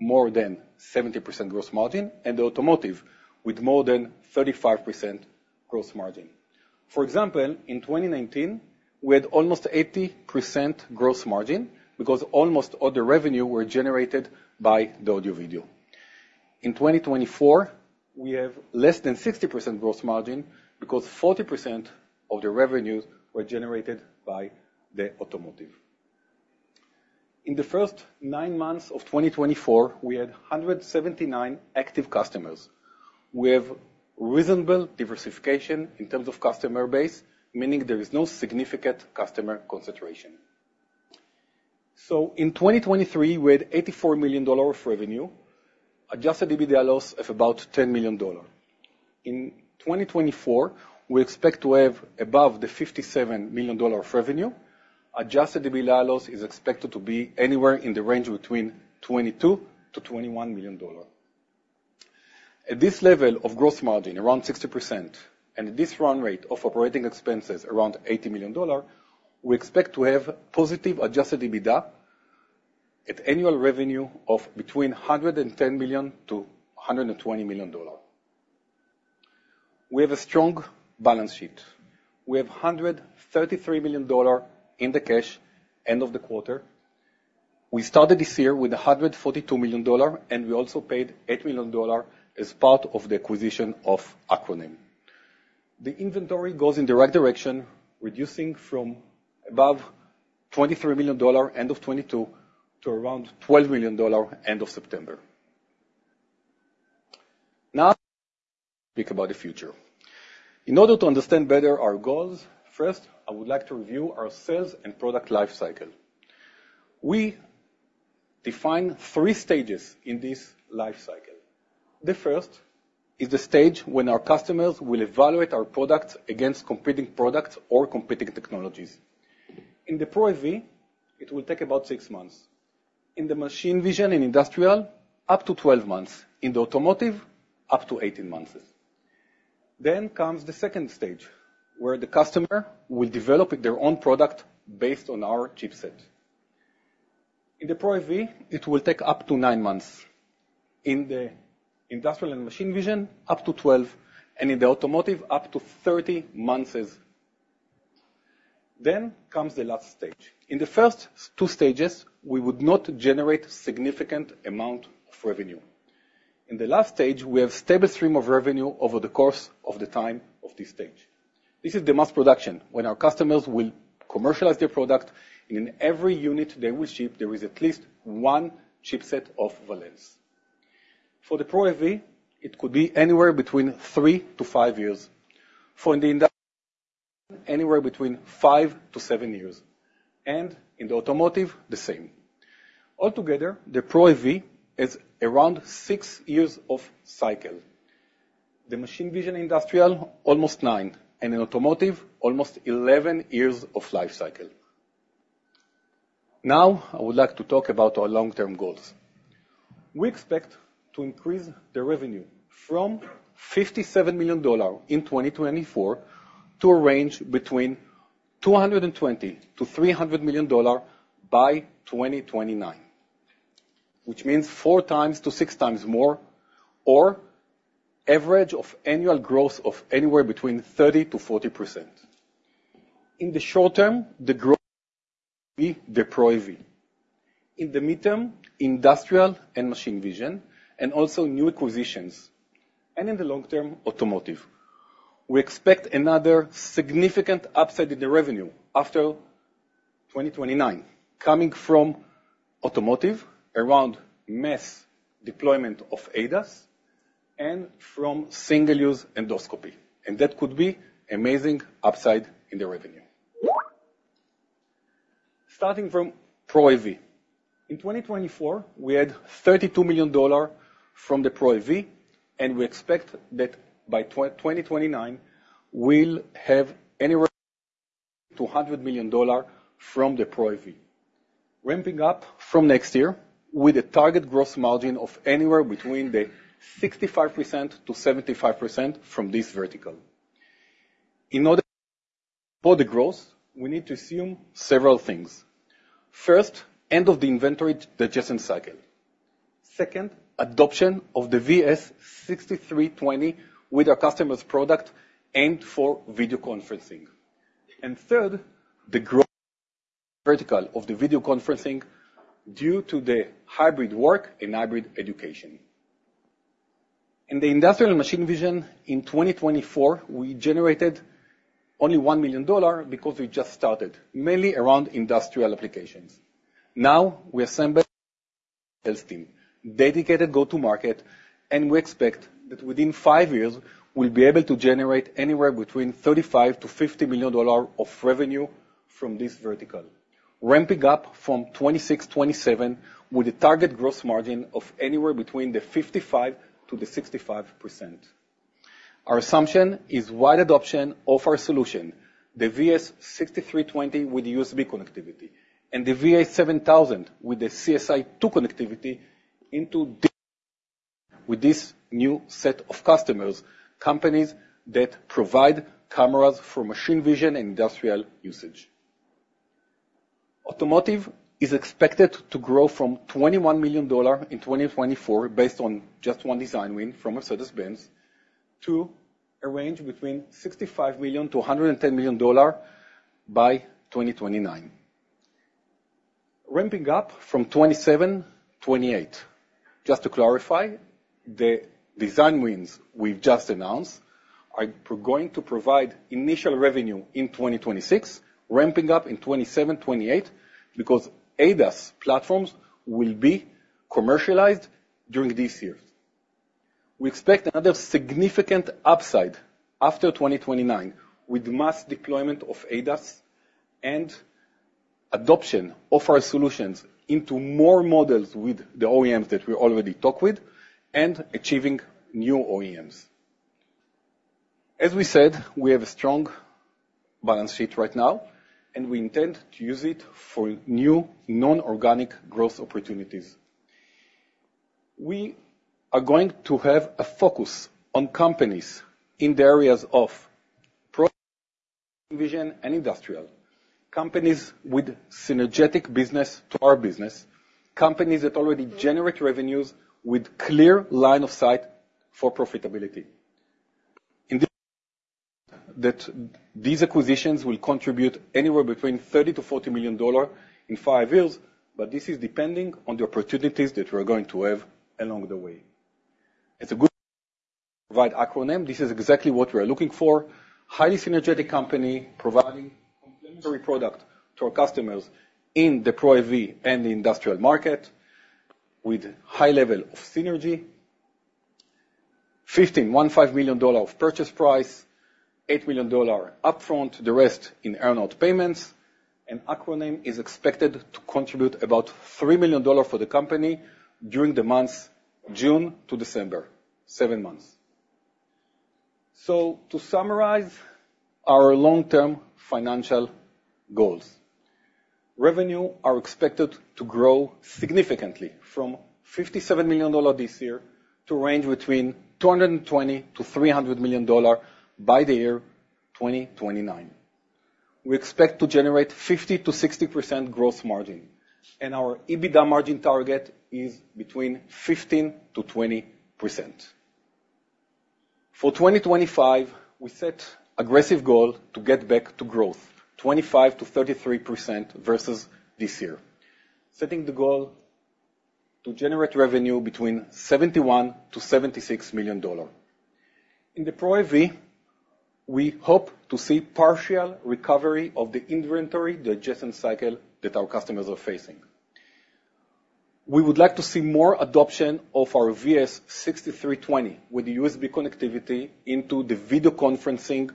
more than 70% gross margin and the automotive with more than 35% gross margin. For example, in 2019, we had almost 80% gross margin because almost all the revenue was generated by the audio-video. In 2024, we have less than 60% gross margin because 40% of the revenues were generated by the automotive. In the first nine months of 2024, we had 179 active customers. We have reasonable diversification in terms of customer base, meaning there is no significant customer concentration. So in 2023, we had $84 million of revenue, Adjusted EBITDA loss of about $10 million. In 2024, we expect to have above the $57 million of revenue. Adjusted EBITDA loss is expected to be anywhere in the range between $22 million-$21 million. At this level of gross margin, around 60%, and at this run rate of operating expenses, around $80 million, we expect to have positive Adjusted EBITDA at annual revenue of between $110 million-$120 million. We have a strong balance sheet. We have $133 million in cash at the end of the quarter. We started this year with $142 million, and we also paid $8 million as part of the acquisition of Acroname. The inventory goes in the right direction, reducing from above $23 million end of 2022 to around $12 million end of September. Now, speak about the future. In order to understand better our goals, first, I would like to review our sales and product lifecycle. We define three stages in this lifecycle. The first is the stage when our customers will evaluate our products against competing products or competing technologies. In the Pro AV, it will take about six months. In the machine vision and industrial, up to 12 months. In the automotive, up to 18 months. Then comes the second stage where the customer will develop their own product based on our chipset. In the Pro AV, it will take up to nine months. In the industrial and machine vision, up to 12, and in the automotive, up to 30 months. Then comes the last stage. In the first two stages, we would not generate a significant amount of revenue. In the last stage, we have a stable stream of revenue over the course of the time of this stage. This is the mass production, when our customers will commercialize their product, and in every unit they will ship, there is at least one chipset of Valens. For the Pro AV, it could be anywhere between three to five years. For the industrial, anywhere between five to seven years. And in the automotive, the same. Altogether, the Pro AV has around six years of cycle. The machine vision industrial, almost nine, and in automotive, almost 11 years of lifecycle. Now, I would like to talk about our long-term goals. We expect to increase the revenue from $57 million in 2024 to a range between $220 million-$300 million by 2029, which means 4x-6x more, or an average annual growth of anywhere between 30%-40%. In the short term, the growth will be the Pro AV. In the midterm, industrial and machine vision, and also new acquisitions. And in the long term, automotive. We expect another significant upside in the revenue after 2029, coming from automotive, around mass deployment of ADAS, and from single-use endoscopy. And that could be an amazing upside in the revenue. Starting from Pro AV. In 2024, we had $32 million from the Pro AV, and we expect that by 2029, we'll have anywhere up to $100 million from the Pro AV, ramping up from next year with a target gross margin of anywhere between 65%-75% from this vertical. In order to support the growth, we need to assume several things. First, end of the inventory adjustment cycle. Second, adoption of the VS6320 with our customers' product aimed for video conferencing. And third, the growth vertical of the video conferencing due to the hybrid work and hybrid education. In the industrial and machine vision, in 2024, we generated only $1 million because we just started, mainly around industrial applications. Now, we assemble a sales team, dedicated go-to-market, and we expect that within five years, we'll be able to generate anywhere between $35 million-$50 million of revenue from this vertical, ramping up from 2026, 2027 with a target gross margin of anywhere between 55%-65%. Our assumption is wide adoption of our solution, the VS6320 with USB connectivity, and the VA7000 with the CSI-2 connectivity into this new set of customers, companies that provide cameras for machine vision and industrial usage. Automotive is expected to grow from $21 million in 2024, based on just one design win from Mercedes-Benz, to a range between $65 million-$110 million by 2029, ramping up from 2027-2028. Just to clarify, the design wins we've just announced are going to provide initial revenue in 2026, ramping up in 2027, 2028 because ADAS platforms will be commercialized during this year. We expect another significant upside after 2029 with mass deployment of ADAS and adoption of our solutions into more models with the OEMs that we already talked with and achieving new OEMs. As we said, we have a strong balance sheet right now, and we intend to use it for new non-organic growth opportunities. We are going to have a focus on companies in the areas of Pro AV and industrial, companies with synergistic business to our business, companies that already generate revenues with a clear line of sight for profitability. In this case, these acquisitions will contribute anywhere between $30 million-$40 million in five years, but this is depending on the opportunities that we're going to have along the way. It's a good wide Acroname. This is exactly what we're looking for: a highly synergistic company providing complementary products to our customers in the Pro AV and the industrial market with a high level of synergy. $15 million of purchase price, $8 million upfront, the rest in earn-out payments. Acroname is expected to contribute about $3 million for the company during the months June to December, seven months. So, to summarize our long-term financial goals, revenue is expected to grow significantly from $57 million this year to a range between $220 million-$300 million by the year 2029. We expect to generate 50%-60% gross margin, and our EBITDA margin target is between 15%-20%. For 2025, we set an aggressive goal to get back to growth, 25%-33% versus this year, setting the goal to generate revenue between $71 million-$76 million. In the Pro AV, we hope to see a partial recovery of the inventory adjustment cycle that our customers are facing. We would like to see more adoption of our VS6320 with the USB connectivity into the video conferencing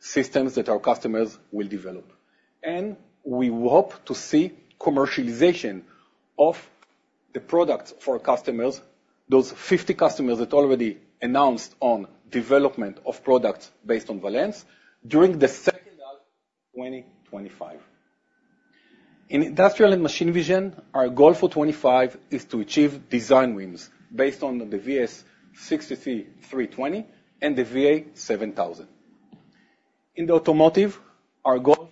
systems that our customers will develop, and we hope to see commercialization of the products for our customers, those 50 customers that already announced development of products based on Valens during the second half of 2025. In industrial and machine vision, our goal for 2025 is to achieve design wins based on the VS6320 and the VA7000. In the automotive, our goal for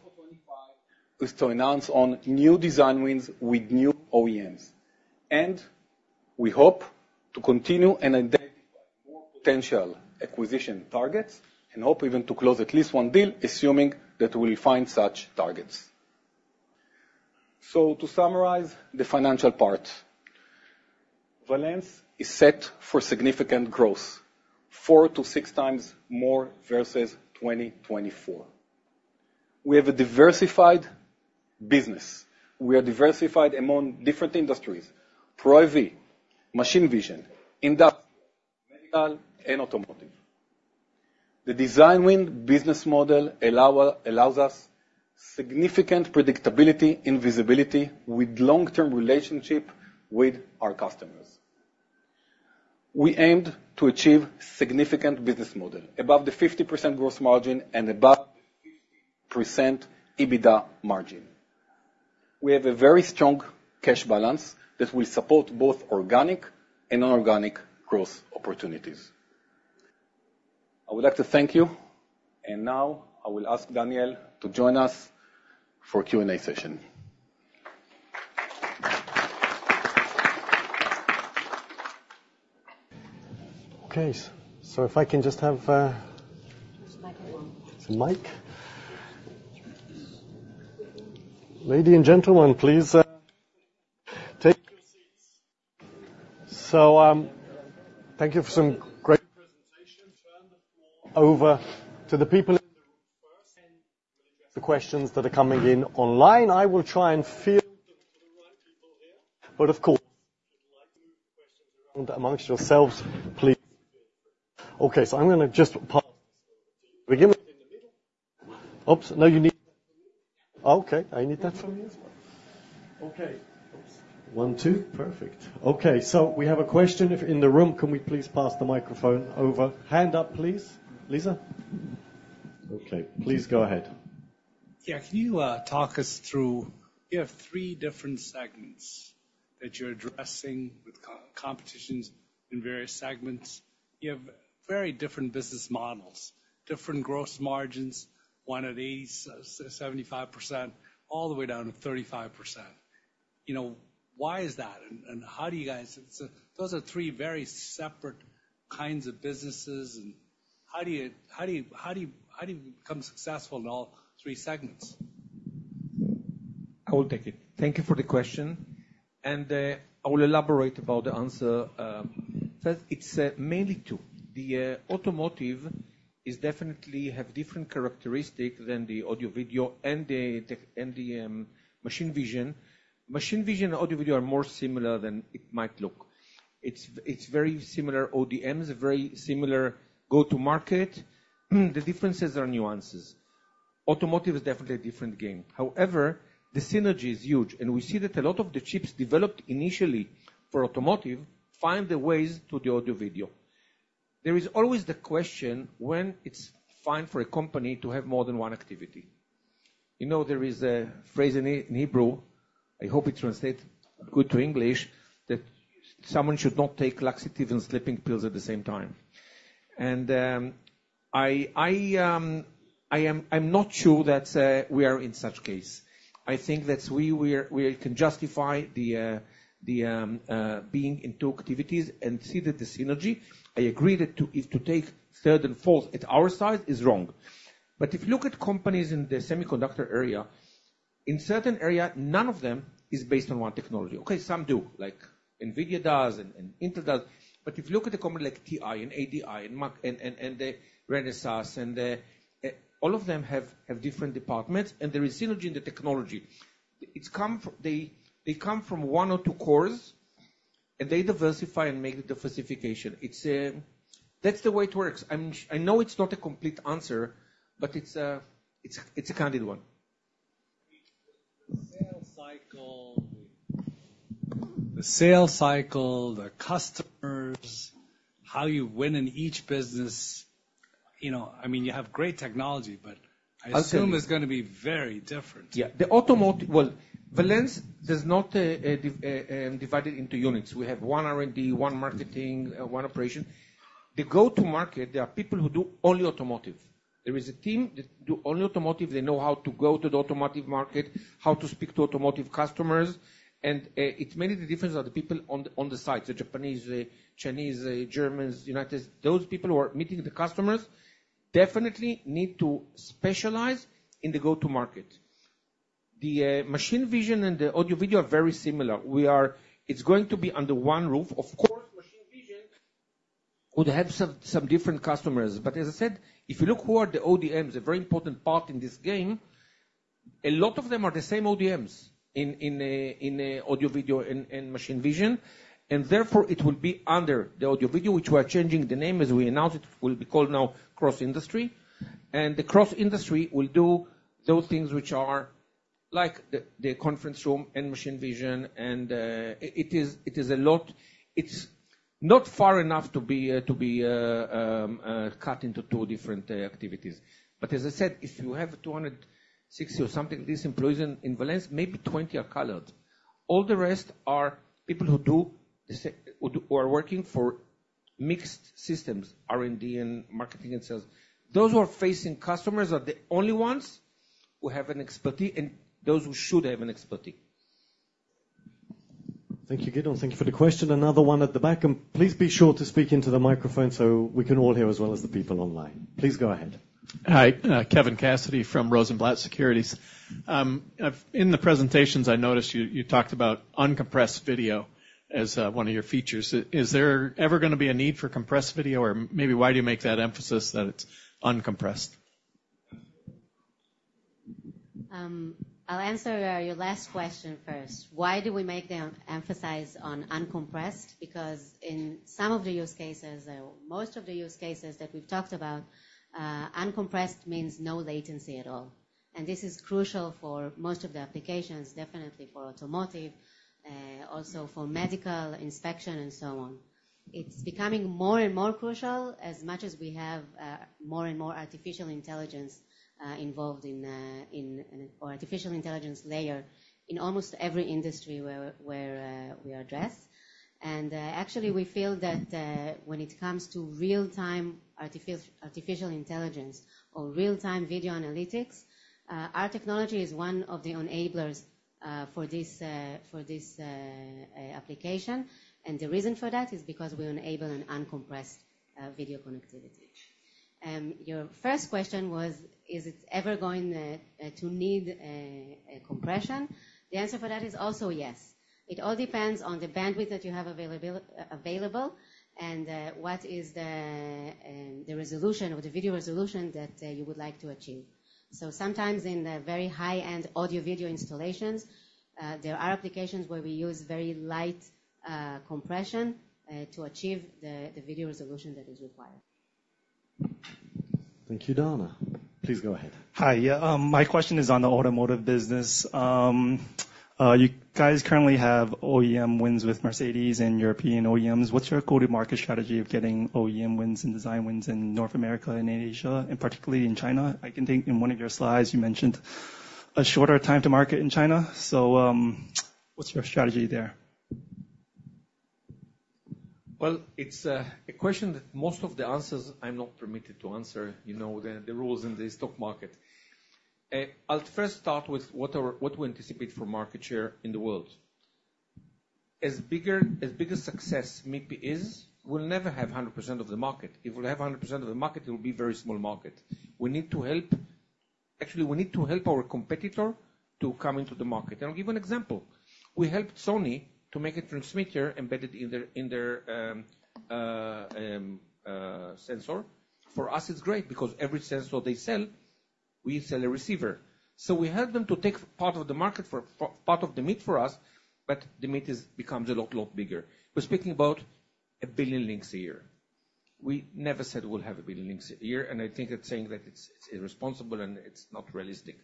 2025 is to announce new design wins with new OEMs, and we hope to continue and identify more potential acquisition targets and hope even to close at least one deal, assuming that we will find such targets. So, to summarize the financial part, Valens is set for significant growth, 4x-6x more versus 2024. We have a diversified business. We are diversified among different industries: Pro AV, machine vision, industry, medical, and automotive. The design win business model allows us significant predictability and visibility with long-term relationships with our customers. We aimed to achieve a significant business model above the 50% gross margin and above the 50% EBITDA margin. We have a very strong cash balance that will support both organic and inorganic growth opportunities. I would like to thank you. And now, I will ask Daniel to join us for a Q&A session. Okay. So, if I can just have a microphone. It's a mic. Ladies and gentlemen, please take your seats. So, thank you for some great presentations. Turn the floor over to the people in the room first. The questions that are coming in online. I will try and field them to the right people here. But, of course, if you'd like to move the questions around amongst yourselves, please feel free. Okay. I'm going to just pass this over to you. Begin within the middle. Oops. No, you need that for me. Okay. I need that for me as well. Okay. Oops. One, two. Perfect. Okay. We have a question in the room. Can we please pass the microphone over? Hand up, please. Lisa? Okay. Please go ahead. Yeah. Can you talk us through? You have three different segments that you're addressing with competitions in various segments. You have very different business models, different gross margins, one of these 75% all the way down to 35%. Why is that? And how do you guys? Those are three very separate kinds of businesses. How do you become successful in all three segments? I will take it. Thank you for the question. I will elaborate about the answer. It's mainly two. The automotive definitely has different characteristics than the audio-video and the machine vision. Machine vision and audio-video are more similar than it might look. It's very similar. ODM is very similar. Go-to-market. The differences are nuances. Automotive is definitely a different game. However, the synergy is huge. We see that a lot of the chips developed initially for automotive find their ways to the audio-video. There is always the question when it's fine for a company to have more than one activity. There is a phrase in Hebrew, I hope it translates good to English, that someone should not take laxative and sleeping pills at the same time. I'm not sure that we are in such a case. I think that we can justify the being in two activities and see that the synergy. I agree that to take third and fourth at our size is wrong. But if you look at companies in the semiconductor area, in certain areas, none of them is based on one technology. Okay. Some do, like NVIDIA does and Intel does. But if you look at a company like TI and ADI and Renesas, all of them have different departments. And there is synergy in the technology. They come from one or two cores, and they diversify and make the diversification. That's the way it works. I know it's not a complete answer, but it's a candid one. The sales cycle, the customers, how you win in each business. I mean, you have great technology, but I assume it's going to be very different. Yeah. Valens does not divide it into units. We have one R&D, one marketing, one operation. The go-to-market, there are people who do only automotive. There is a team that do only automotive. They know how to go to the automotive market, how to speak to automotive customers. And it's mainly the difference of the people on the sides, the Japanese, Chinese, Germans, United. Those people who are meeting the customers definitely need to specialize in the go-to-market. The machine vision and the audio-video are very similar. It's going to be under one roof. Of course, machine vision would have some different customers. But as I said, if you look who are the ODMs, a very important part in this game, a lot of them are the same ODMs in audio-video and machine vision. And therefore, it will be under the audio-video, which we are changing the name as we announced it will be called now Cross Industry. And the Cross Industry will do those things which are like the conference room and machine vision. And it is a lot. It's not far enough to be cut into two different activities. But as I said, if you have 260 or something of these employees in Valens, maybe 20 are core. All the rest are people who are working for mixed systems, R&D and marketing and sales. Those who are facing customers are the only ones who have an expertise and those who should have an expertise. Thank you, Gideon. Thank you for the question. Another one at the back. And please be sure to speak into the microphone so we can all hear as well as the people online. Please go ahead. Hi. Kevin Cassidy from Rosenblatt Securities. In the presentations, I noticed you talked about uncompressed video as one of your features. Is there ever going to be a need for compressed video? Or maybe why do you make that emphasis that it's uncompressed? I'll answer your last question first. Why do we make the emphasis on uncompressed? Because in some of the use cases, most of the use cases that we've talked about, uncompressed means no latency at all. And this is crucial for most of the applications, definitely for automotive, also for medical inspection, and so on. It's becoming more and more crucial as much as we have more and more artificial intelligence involved in or artificial intelligence layer in almost every industry where we are addressed. And actually, we feel that when it comes to real-time artificial intelligence or real-time video analytics, our technology is one of the enablers for this application. And the reason for that is because we enable an uncompressed video connectivity. Your first question was, is it ever going to need compression? The answer for that is also yes. It all depends on the bandwidth that you have available and what is the resolution or the video resolution that you would like to achieve. So sometimes in the very high-end audio-video installations, there are applications where we use very light compression to achieve the video resolution that is required. Thank you, Dana. Please go ahead. Hi. Yeah. My question is on the automotive business. You guys currently have OEM wins with Mercedes and European OEMs. What's your go-to-market strategy of getting OEM wins and design wins in North America and Asia, and particularly in China? I think in one of your slides, you mentioned a shorter time to market in China. So what's your strategy there? Well, it's a question that most of the answers I'm not permitted to answer, the rules in the stock market. I'll first start with what we anticipate for market share in the world. As big a success MIPI is, we'll never have 100% of the market. If we have 100% of the market, it will be a very small market. We need to help actually our competitor to come into the market. And I'll give you an example. We helped Sony to make a transmitter embedded in their sensor. For us, it's great because every sensor they sell, we sell a receiver. We help them to take part of the market for part of the pie for us, but the pie becomes a lot bigger. We're speaking about a billion links a year. We never said we'll have a billion links a year. I think it's safe to say that it's irresponsible and it's not realistic.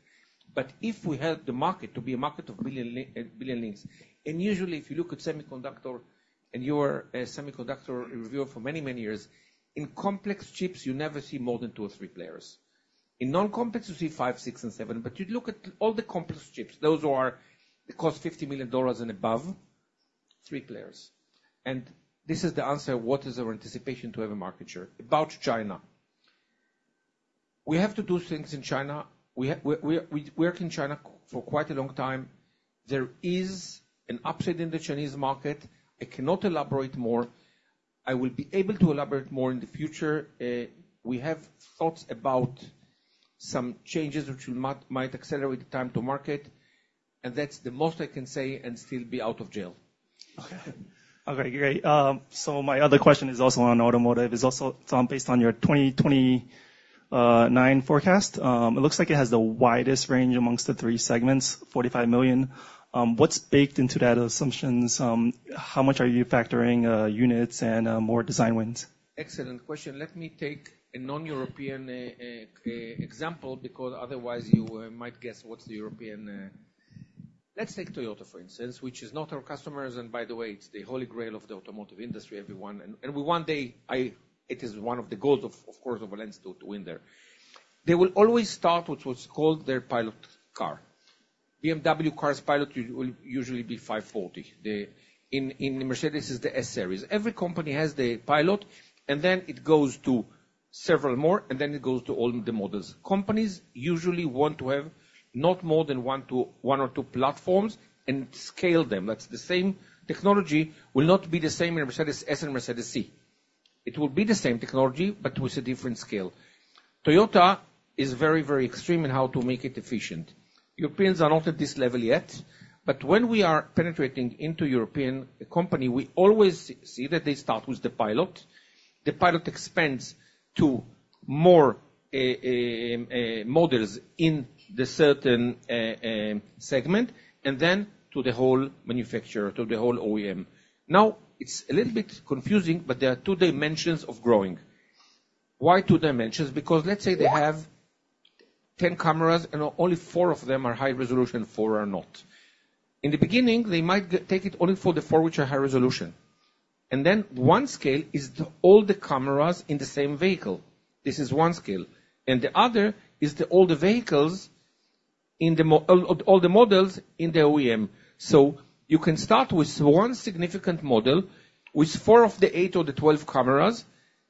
If we help the market to be a market of billion links, and usually, if you look at semiconductor and you're a semiconductor investor for many, many years, in complex chips, you never see more than two or three players. In non-complex, you see five, six, and seven. You look at all the complex chips, those who cost $50 million and above, three players. This is the answer: what is our anticipation to have a market share in China? We have to do things in China. We work in China for quite a long time. There is an upside in the Chinese market. I cannot elaborate more. I will be able to elaborate more in the future. We have thoughts about some changes which might accelerate time to market, and that's the most I can say and still be out of jail. Okay. Okay. Great, so my other question is also on automotive. It's also based on your 2029 forecast. It looks like it has the widest range among the three segments, $45 million. What's baked into that assumptions? How much are you factoring units and more design wins? Excellent question. Let me take a non-European example because otherwise, you might guess what's the European. Let's take Toyota, for instance, which is not our customers. And by the way, it's the holy grail of the automotive industry, everyone. One day, it is one of the goals, of course, of Valens to win there. They will always start with what's called their pilot car. BMW cars' pilot will usually be 540. In Mercedes, it's the S series. Every company has the pilot, and then it goes to several more, and then it goes to all the models. Companies usually want to have not more than one or two platforms and scale them. That's the same technology will not be the same in Mercedes S and Mercedes C. It will be the same technology, but with a different scale. Toyota is very, very extreme in how to make it efficient. Europeans are not at this level yet. But when we are penetrating into European companies, we always see that they start with the pilot. The pilot expands to more models in the certain segment and then to the whole manufacturer, to the whole OEM. Now, it's a little bit confusing, but there are two dimensions of growing. Why two dimensions? Because let's say they have 10 cameras and only four of them are high resolution and four are not. In the beginning, they might take it only for the four which are high resolution. And then one scale is all the cameras in the same vehicle. This is one scale. And the other is all the vehicles in all the models in the OEM. So you can start with one significant model with four of the eight or the 12 cameras,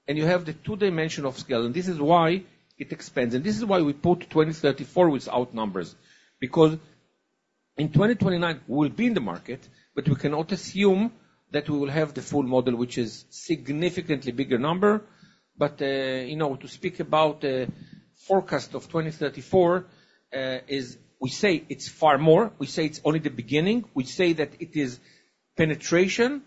and you have the two-dimensional scale. And this is why it expands. And this is why we put 2034 without numbers. Because in 2029, we'll be in the market, but we cannot assume that we will have the full model, which is a significantly bigger number. But to speak about the forecast of 2034, we say it's far more. We say it's only the beginning. We say that it is penetration.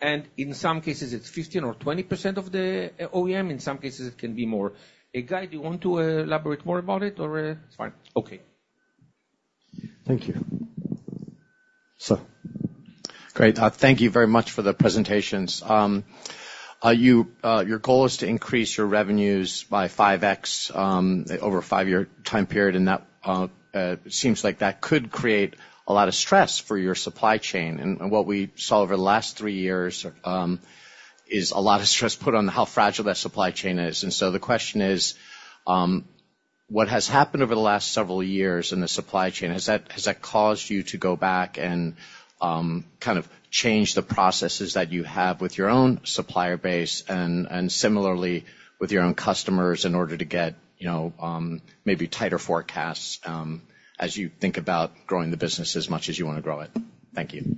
And in some cases, it's 15% or 20% of the OEM. In some cases, it can be more. Guy, do you want to elaborate more about it? Or it's fine. Okay. Thank you. Sir. Great. Thank you very much for the presentations. Your goal is to increase your revenues by 5x over a five-year time period. And that seems like that could create a lot of stress for your supply chain. And what we saw over the last three years is a lot of stress put on how fragile that supply chain is. The question is, what has happened over the last several years in the supply chain? Has that caused you to go back and kind of change the processes that you have with your own supplier base and similarly with your own customers in order to get maybe tighter forecasts as you think about growing the business as much as you want to grow it? Thank you.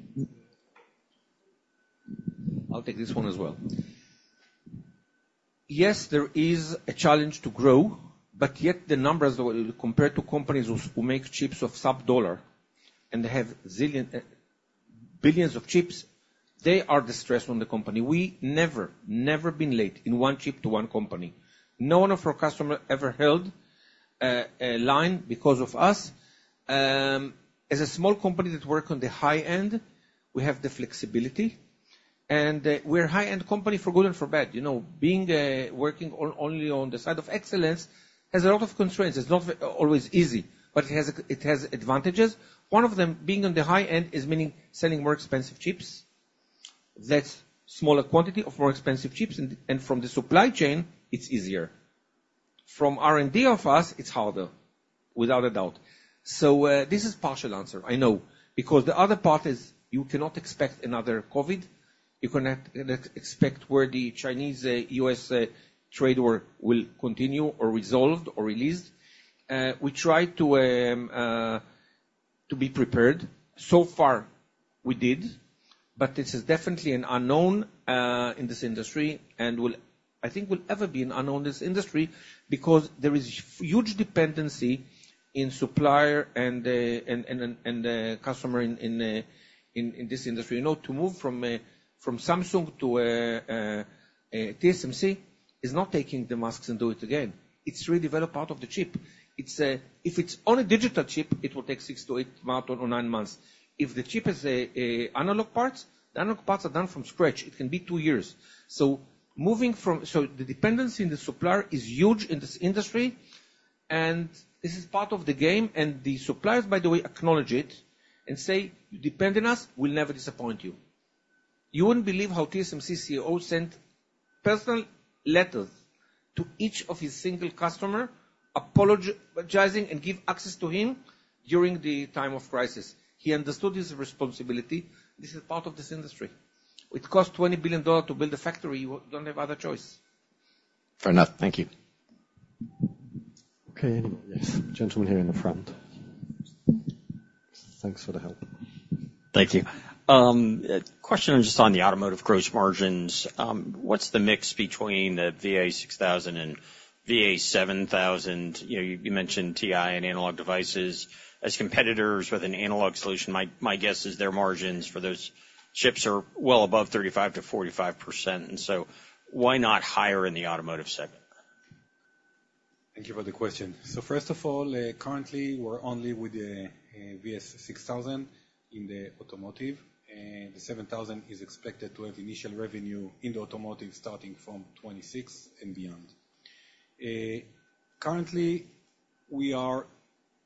I'll take this one as well. Yes, there is a challenge to grow, but yet the numbers compared to companies who make chips of sub-dollar and have billions of chips. They are the stress on the company. We never, never been late in one chip to one company. None of our customers ever held a line because of us. As a small company that works on the high end, we have the flexibility. We're a high-end company for good and for bad. Being working only on the side of excellence has a lot of constraints. It's not always easy, but it has advantages. One of them, being on the high end, is meaning selling more expensive chips. That's a smaller quantity of more expensive chips. And from the supply chain, it's easier. From R&D of us, it's harder, without a doubt. So this is a partial answer, I know. Because the other part is you cannot expect another COVID. You cannot expect where the Chinese-U.S. trade war will continue or resolved or released. We try to be prepared. So far, we did. But this is definitely an unknown in this industry. And I think we'll ever be an unknown in this industry because there is a huge dependency in supplier and customer in this industry. To move from Samsung to TSMC is not taking the masks and do it again. It's redeveloped out of the chip. If it's on a digital chip, it will take six to eight months or nine months. If the chip is analog parts, the analog parts are done from scratch. It can be two years. So the dependency in the supplier is huge in this industry. And this is part of the game. And the suppliers, by the way, acknowledge it and say, "You depend on us. We'll never disappoint you." You wouldn't believe how TSMC's CEO sent personal letters to each of his single customers, apologizing and giving access to him during the time of crisis. He understood his responsibility. This is part of this industry. It costs $20 billion to build a factory. You don't have other choice. Fair enough. Thank you. Okay. Anyway, yes, gentleman here in the front. Thanks for the help. Thank you. Question just on the automotive gross margins. What's the mix between the VA6000 and VA7000? You mentioned TI and Analog Devices as competitors with an analog solution. My guess is their margins for those chips are well above 35%-45%. And so why not higher in the automotive segment? Thank you for the question. So first of all, currently, we're only with the VA6000 in the automotive. The 7000 is expected to have initial revenue in the automotive starting from 2026 and beyond. Currently, we are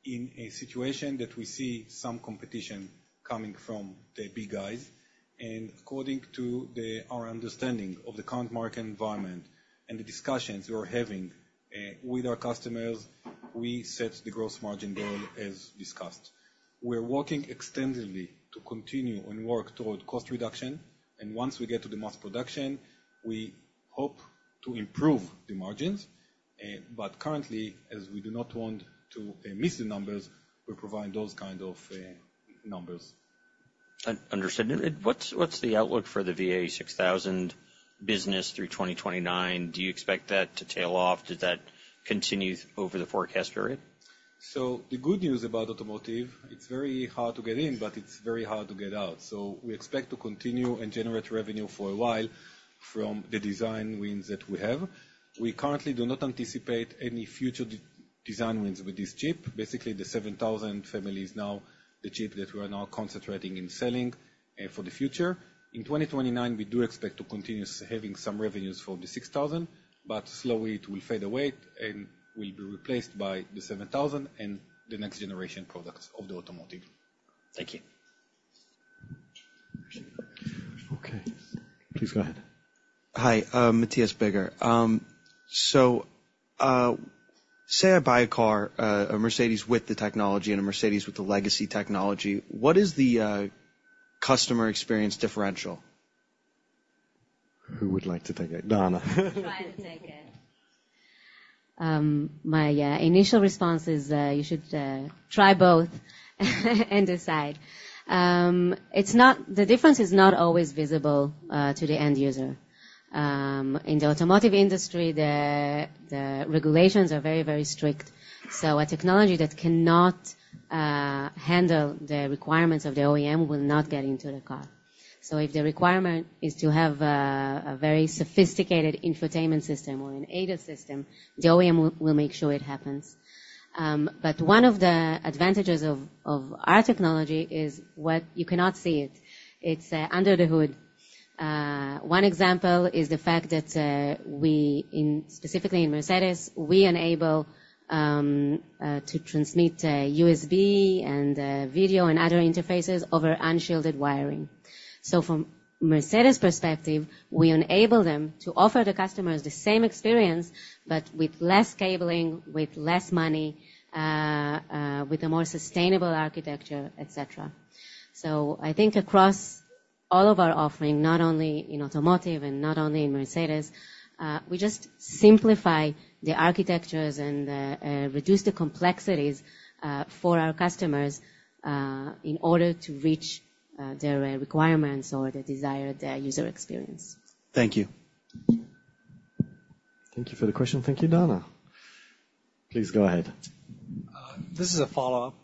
in a situation that we see some competition coming from the big guys. And according to our understanding of the current market environment and the discussions we're having with our customers, we set the gross margin goal as discussed. We're working extensively to continue and work toward cost reduction. Once we get to the mass production, we hope to improve the margins. Currently, as we do not want to miss the numbers, we're providing those kinds of numbers. Understood. What's the outlook for the VA6000 business through 2029? Do you expect that to tail off? Does that continue over the forecast period? The good news about automotive, it's very hard to get in, but it's very hard to get out. We expect to continue and generate revenue for a while from the design wins that we have. We currently do not anticipate any future design wins with this chip. Basically, the 7000 family is now the chip that we are now concentrating in selling for the future. In 2029, we do expect to continue having some revenues for the 6000, but slowly it will fade away and will be replaced by the 7000 and the next generation products of the automotive. Thank you. Okay. Please go ahead. Hi, Matthias Beger. So say I buy a car, a Mercedes with the technology and a Mercedes with the legacy technology. What is the customer experience differential? Who would like to take it? Dana. I'd like to take it. My initial response is you should try both and decide. The difference is not always visible to the end user. In the automotive industry, the regulations are very, very strict. So a technology that cannot handle the requirements of the OEM will not get into the car. So if the requirement is to have a very sophisticated infotainment system or an ADAS system, the OEM will make sure it happens. But one of the advantages of our technology is you cannot see it. It's under the hood. One example is the fact that, specifically in Mercedes, we enable to transmit USB and video and other interfaces over unshielded wiring. So from Mercedes' perspective, we enable them to offer the customers the same experience, but with less cabling, with less money, with a more sustainable architecture, etc. So I think across all of our offering, not only in automotive and not only in Mercedes, we just simplify the architectures and reduce the complexities for our customers in order to reach their requirements or the desired user experience. Thank you. Thank you for the question. Thank you, Dana. Please go ahead. This is a follow-up.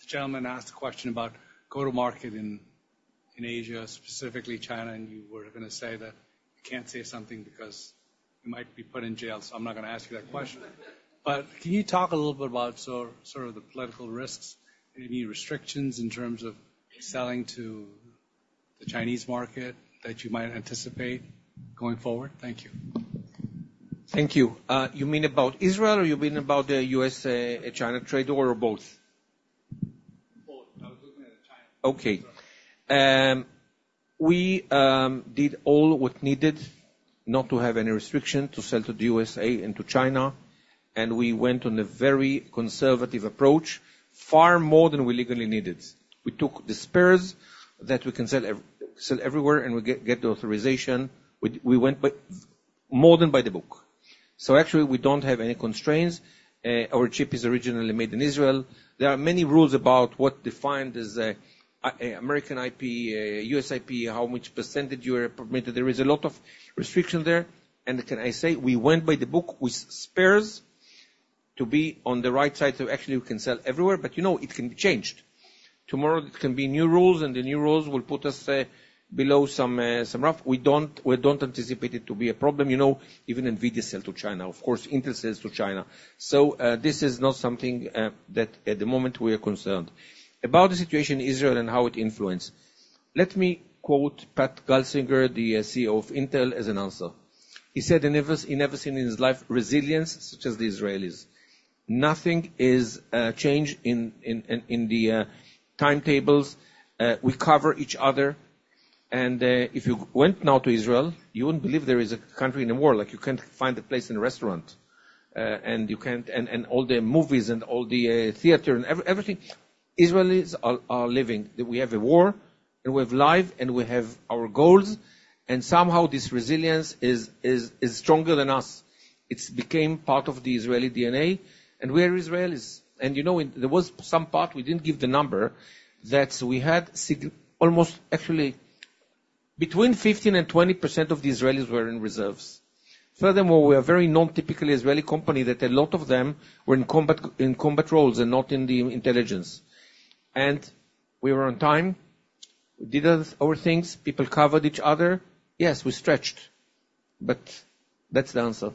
The gentleman asked a question about go-to-market in Asia, specifically China. And you were going to say that you can't say something because you might be put in jail. So I'm not going to ask you that question. But can you talk a little bit about sort of the political risks and any restrictions in terms of selling to the Chinese market that you might anticipate going forward? Thank you. Thank you. You mean about Israel or you mean about the US-China trade war or both? Both. I was looking at China. Okay. We did all what needed not to have any restriction to sell to the USA and to China. And we went on a very conservative approach, far more than we legally needed. We took the spares that we can sell everywhere and we get the authorization. We went more than by the book. So actually, we don't have any constraints. Our chip is originally made in Israel. There are many rules about what's defined as American IP, U.S. IP, how much percentage you are permitted. There is a lot of restriction there, and can I say we went by the book with spares to be on the right side so actually we can sell everywhere. But it can be changed. Tomorrow, there can be new rules, and the new rules will put us below some rough. We don't anticipate it to be a problem. Even NVIDIA sells to China. Of course, Intel sells to China, so this is not something that at the moment we are concerned about. About the situation in Israel and how it influences. Let me quote Pat Gelsinger, the CEO of Intel, as an answer. He said he never seen in his life resilience such as the Israelis. Nothing is changed in the timetables. We cover each other. If you went now to Israel, you wouldn't believe there is a country in a war. You can't find a place in a restaurant. All the movies and all the theater and everything. Israelis are living. We have a war, and we live, and we have our goals. Somehow, this resilience is stronger than us. It became part of the Israeli DNA. We are Israelis. There was some part we didn't give the number that we had almost actually between 15% and 20% of the Israelis were in reserves. Furthermore, we are a very non-typical Israeli company that a lot of them were in combat roles and not in the intelligence. We were on time. We did our things. People covered each other. Yes, we stretched. But that's the answer.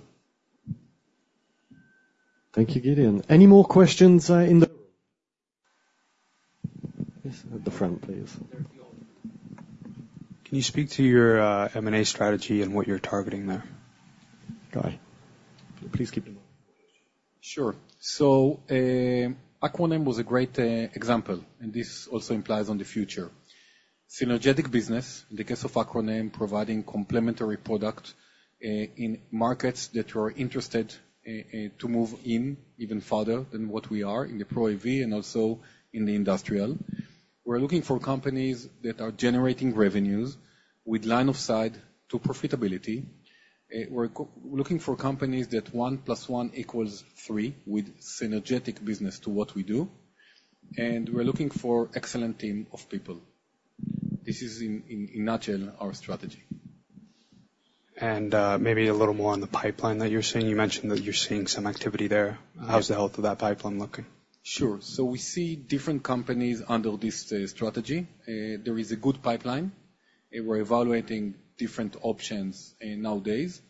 Thank you, Gideon. Any more questions in the room? Yes, at the front, please. Can you speak to your M&A strategy and what you're targeting there? Go ahead. Please keep the mic. Sure. So Acroname was a great example. And this also implies on the future. Synergistic business, in the case of Acroname, providing complementary products in markets that we are interested to move in even further than what we are in the Pro AV and also in the industrial. We're looking for companies that are generating revenues with line of sight to profitability. We're looking for companies that one plus one equals three with synergistic business to what we do. And we're looking for an excellent team of people. This is, in a nutshell, our strategy. And maybe a little more on the pipeline that you're seeing. You mentioned that you're seeing some activity there. How's the health of that pipeline looking? Sure. So we see different companies under this strategy. There is a good pipeline. We're evaluating different options nowadays.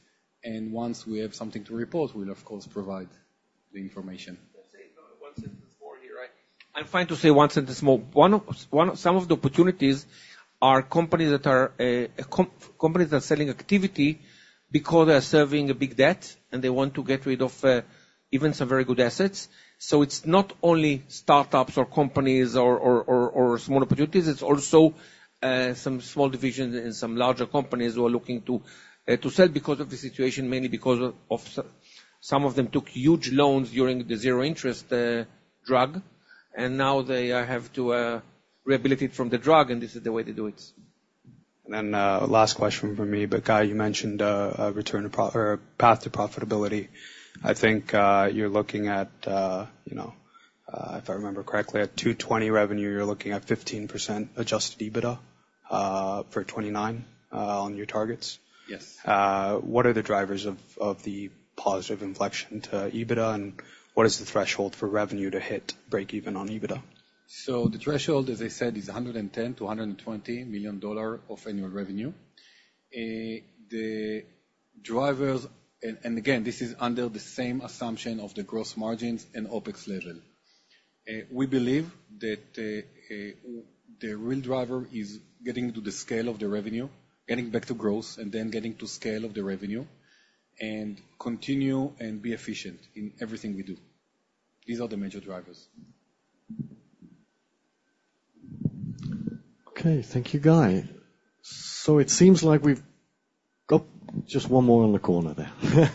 And once we have something to report, we'll, of course, provide the information. I'm fine to say one sentence more. Some of the opportunities are companies that are selling assets because they are servicing a big debt, and they want to get rid of even some very good assets. So it's not only startups or companies or small opportunities. It's also some small divisions and some larger companies who are looking to sell because of the situation, mainly because some of them took huge loans during the zero-interest era. And now they have to rehabilitate from the era, and this is the way they do it. And then last question from me. But Guy, you mentioned a path to profitability. I think you're looking at, if I remember correctly, $220 million revenue. You're looking at 15% adjusted EBITDA for 2029 on your targets. What are the drivers of the positive inflection to EBITDA? And what is the threshold for revenue to hit break-even on EBITDA? So the threshold, as I said, is $110 million-$120 million of annual revenue. And again, this is under the same assumption of the gross margins and OPEX level. We believe that the real driver is getting to the scale of the revenue, getting back to gross, and then getting to scale of the revenue, and continue and be efficient in everything we do. These are the major drivers. Okay. Thank you, Guy. So it seems like we've got just one more on the corner there.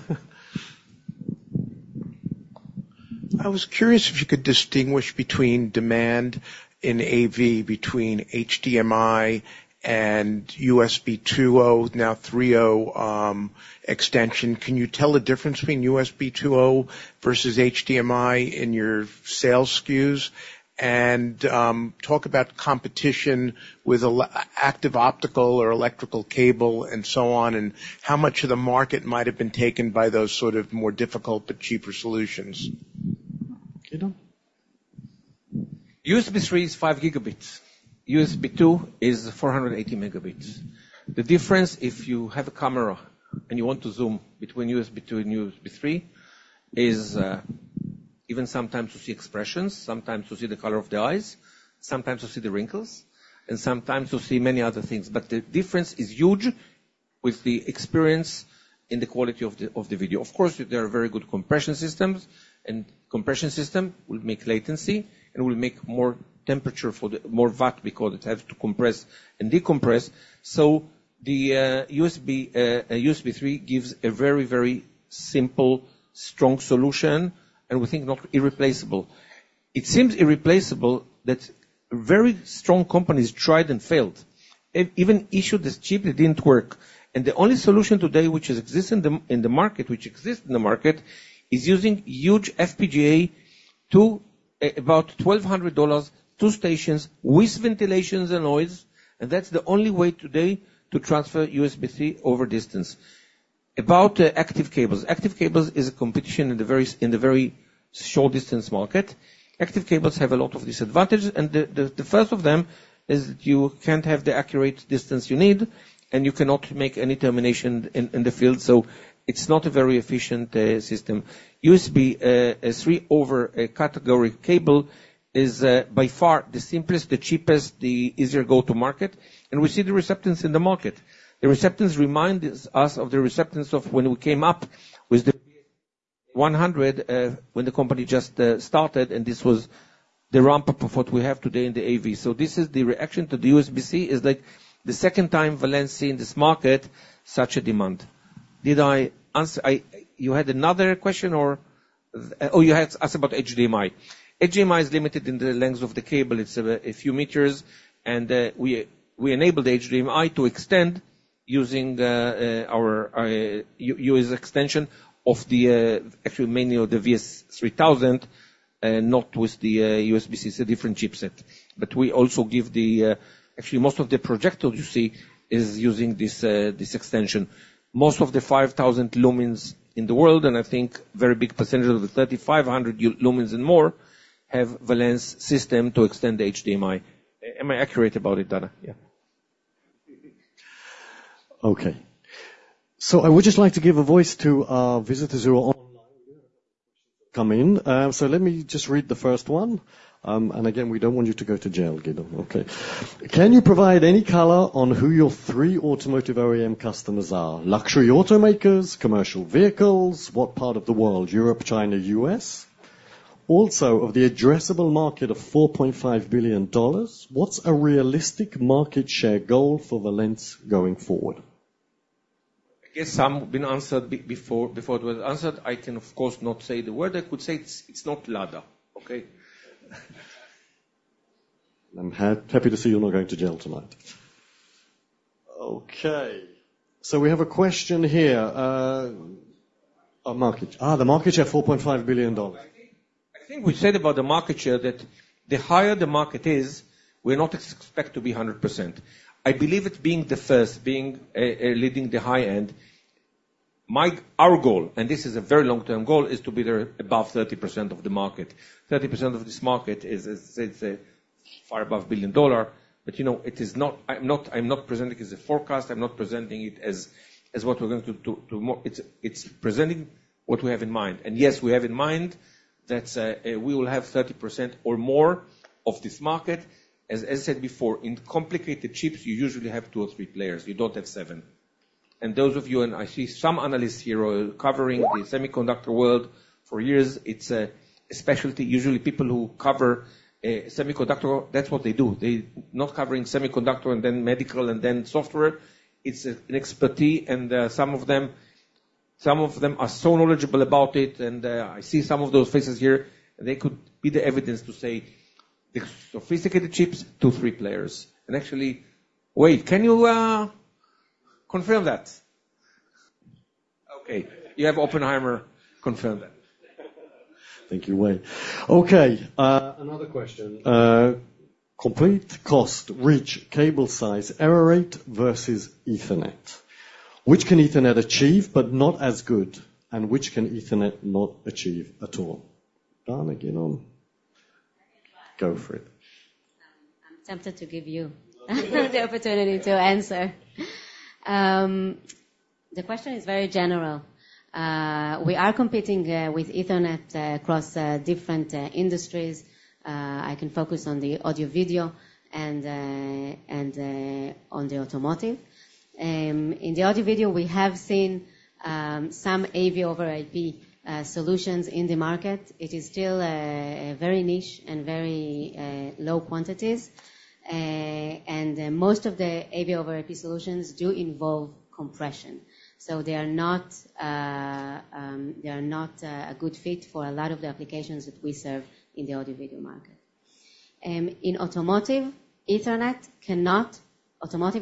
I was curious if you could distinguish between demand in AV between HDMI and USB 2.0, now 3.0 extension. Can you tell the difference between USB 2.0 versus HDMI in your sales SKUs? And talk about competition with active optical or electrical cable and so on, and how much of the market might have been taken by those sort of more difficult but cheaper solutions. USB 3 is 5 Gb. USB 2 is 480 Mb. The difference, if you have a camera and you want to zoom between USB 2 and USB 3, is even sometimes to see expressions, sometimes to see the color of the eyes, sometimes to see the wrinkles, and sometimes to see many other things. But the difference is huge with the experience in the quality of the video. Of course, there are very good compression systems, and compression systems will make latency and will make more temperature for more watt because it has to compress and decompress. So, the USB 3 gives a very, very simple, strong solution, and we think not irreplaceable. It seems irreplaceable that very strong companies tried and failed. Even issues that cheaply didn't work. And the only solution today which exists in the market, which exists in the market, is using huge FPGA to about $1,200, two stations with ventilation and noise. And that's the only way today to transfer USB 3 over distance. About active cables. Active cables is a competition in the very short distance market. Active cables have a lot of disadvantages. And the first of them is that you can't have the accurate distance you need, and you cannot make any termination in the field. So, it's not a very efficient system. USB 3 over a category cable is by far the simplest, the cheapest, the easier go-to-market. And we see the reception in the market. The reactions remind us of the reactions of when we came up with the HDBaseT when the company just started, and this was the ramp-up of what we have today in the AV. So this is the reaction to the USB 3 is like the second time Valens seen this market, such a demand. Did I answer? You had another question, or? Oh, you asked about HDMI. HDMI is limited in the length of the cable. It's a few meters. And we enabled HDMI to extend using our USB extension of the actual mainly of the VS3000, not with the USB 3. It's a different chipset. But we also give the actually most of the projectors you see is using this extension. Most of the 5,000 lumens in the world, and I think a very big percentage of the 3,500 lumens and more have Valens system to extend the HDMI. Am I accurate about it, Dana? Yeah. Okay. So I would just like to give a voice to our visitors who are online. We do have a couple of questions that have come in. So let me just read the first one. And again, we don't want you to go to jail, Gideon. Okay. Can you provide any color on who your three automotive OEM customers are? Luxury automakers, commercial vehicles, what part of the world? Europe, China, US. Also, of the addressable market of $4.5 billion, what's a realistic market share goal for Valens going forward? I guess some have been answered before it was answered. I can, of course, not say the word. I could say it's not Lada. Okay? I'm happy to see you're not going to jail tonight. Okay. So we have a question here. Oh, market share. The market share, $4.5 billion. I think we said about the market share that the higher the market is, we're not expected to be 100%. I believe it being the first, being leading the high end. Our goal, and this is a very long-term goal, is to be there above 30% of the market. 30% of this market is far above $1 billion. But I'm not presenting it as a forecast. I'm not presenting it as what we're going to do. It's presenting what we have in mind. And yes, we have in mind that we will have 30% or more of this market. As I said before, in complicated chips, you usually have two or three players. You don't have seven. And those of you, and I see some analysts here covering the semiconductor world for years, it's a specialty. Usually, people who cover semiconductor, that's what they do. They're not covering semiconductor and then medical and then software. It's an expertise, and some of them are so knowledgeable about it. I see some of those faces here. They could be the evidence to say the sophisticated chips, two, three players. Actually, wait, can you confirm that? Okay. You have Oppenheimer confirmed that. Thank you, Wayne. Okay. Another question. Complete cost, reach cable size, error rate versus Ethernet. Which can Ethernet achieve but not as good? Which can Ethernet not achieve at all? Dana, Gideon. Go for it. I'm tempted to give you the opportunity to answer. The question is very general. We are competing with Ethernet across different industries. I can focus on the audio-video and on the automotive. In the audio-video, we have seen some AV over IP solutions in the market. It is still very niche and very low quantities. And most of the AV over IP solutions do involve compression. So they are not a good fit for a lot of the applications that we serve in the audio-video market. In automotive, automotive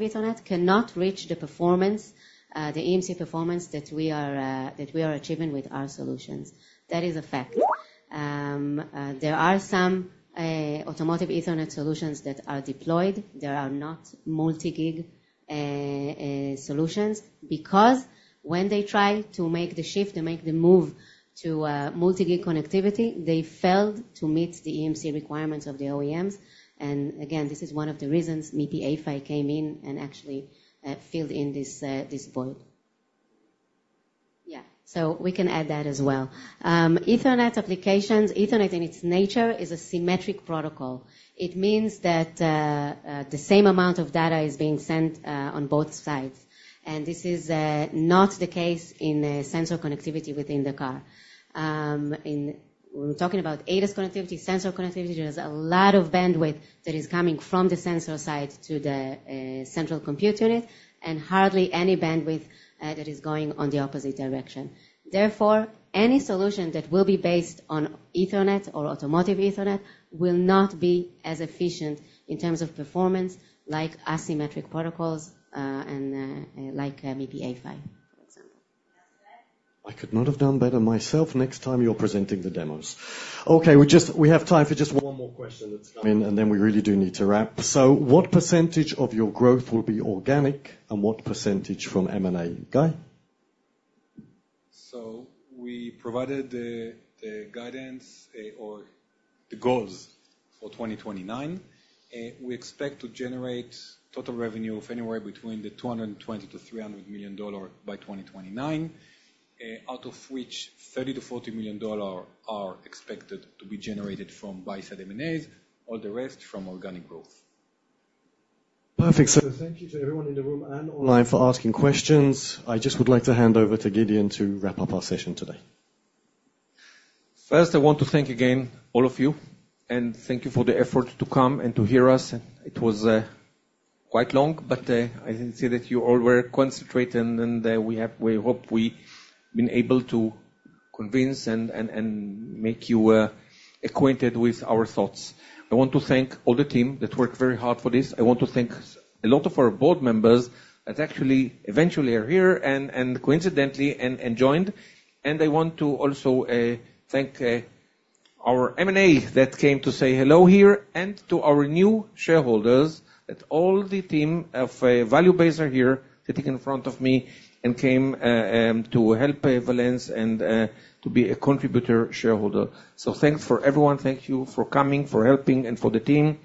Ethernet cannot reach the performance, the EMC performance that we are achieving with our solutions. That is a fact. There are some automotive Ethernet solutions that are deployed. There are not multi-gig solutions because when they tried to make the shift and make the move to multi-gig connectivity, they failed to meet the EMC requirements of the OEMs. And again, this is one of the reasons MIPI A-PHY came in and actually filled in this void. Yeah. So we can add that as well. Ethernet applications. Ethernet in its nature is a symmetric protocol. It means that the same amount of data is being sent on both sides. This is not the case in sensor connectivity within the car. We're talking about ADAS connectivity, sensor connectivity. There's a lot of bandwidth that is coming from the sensor side to the central compute unit and hardly any bandwidth that is going on the opposite direction. Therefore, any solution that will be based on Ethernet or automotive Ethernet will not be as efficient in terms of performance like asymmetric protocols and like MIPI A-PHY, for example. I could not have done better myself next time you're presenting the demos. Okay. We have time for just one more question that's come in, and then we really do need to wrap. So what percentage of your growth will be organic and what percentage from M&A? Guy? So we provided the guidance or the goals for 2029. We expect to generate total revenue of anywhere between $220 million-$300 million by 2029, out of which $30 million-$40 million are expected to be generated from buy-side M&As, all the rest from organic growth. Perfect, so thank you to everyone in the room and online for asking questions. I just would like to hand over to Gideon to wrap up our session today. First, I want to thank again all of you, and thank you for the effort to come and to hear us. It was quite long, but I can see that you all were concentrated, and we hope we've been able to convince and make you acquainted with our thoughts. I want to thank all the team that worked very hard for this. I want to thank a lot of our board members that actually eventually are here and coincidentally joined. I want to also thank our M&A that came to say hello here and to our new shareholders that all the team of Value Base are here sitting in front of me and came to help Valens and to be a contributor shareholder. Thanks for everyone. Thank you for coming, for helping, and for the team.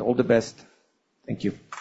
All the best. Thank you.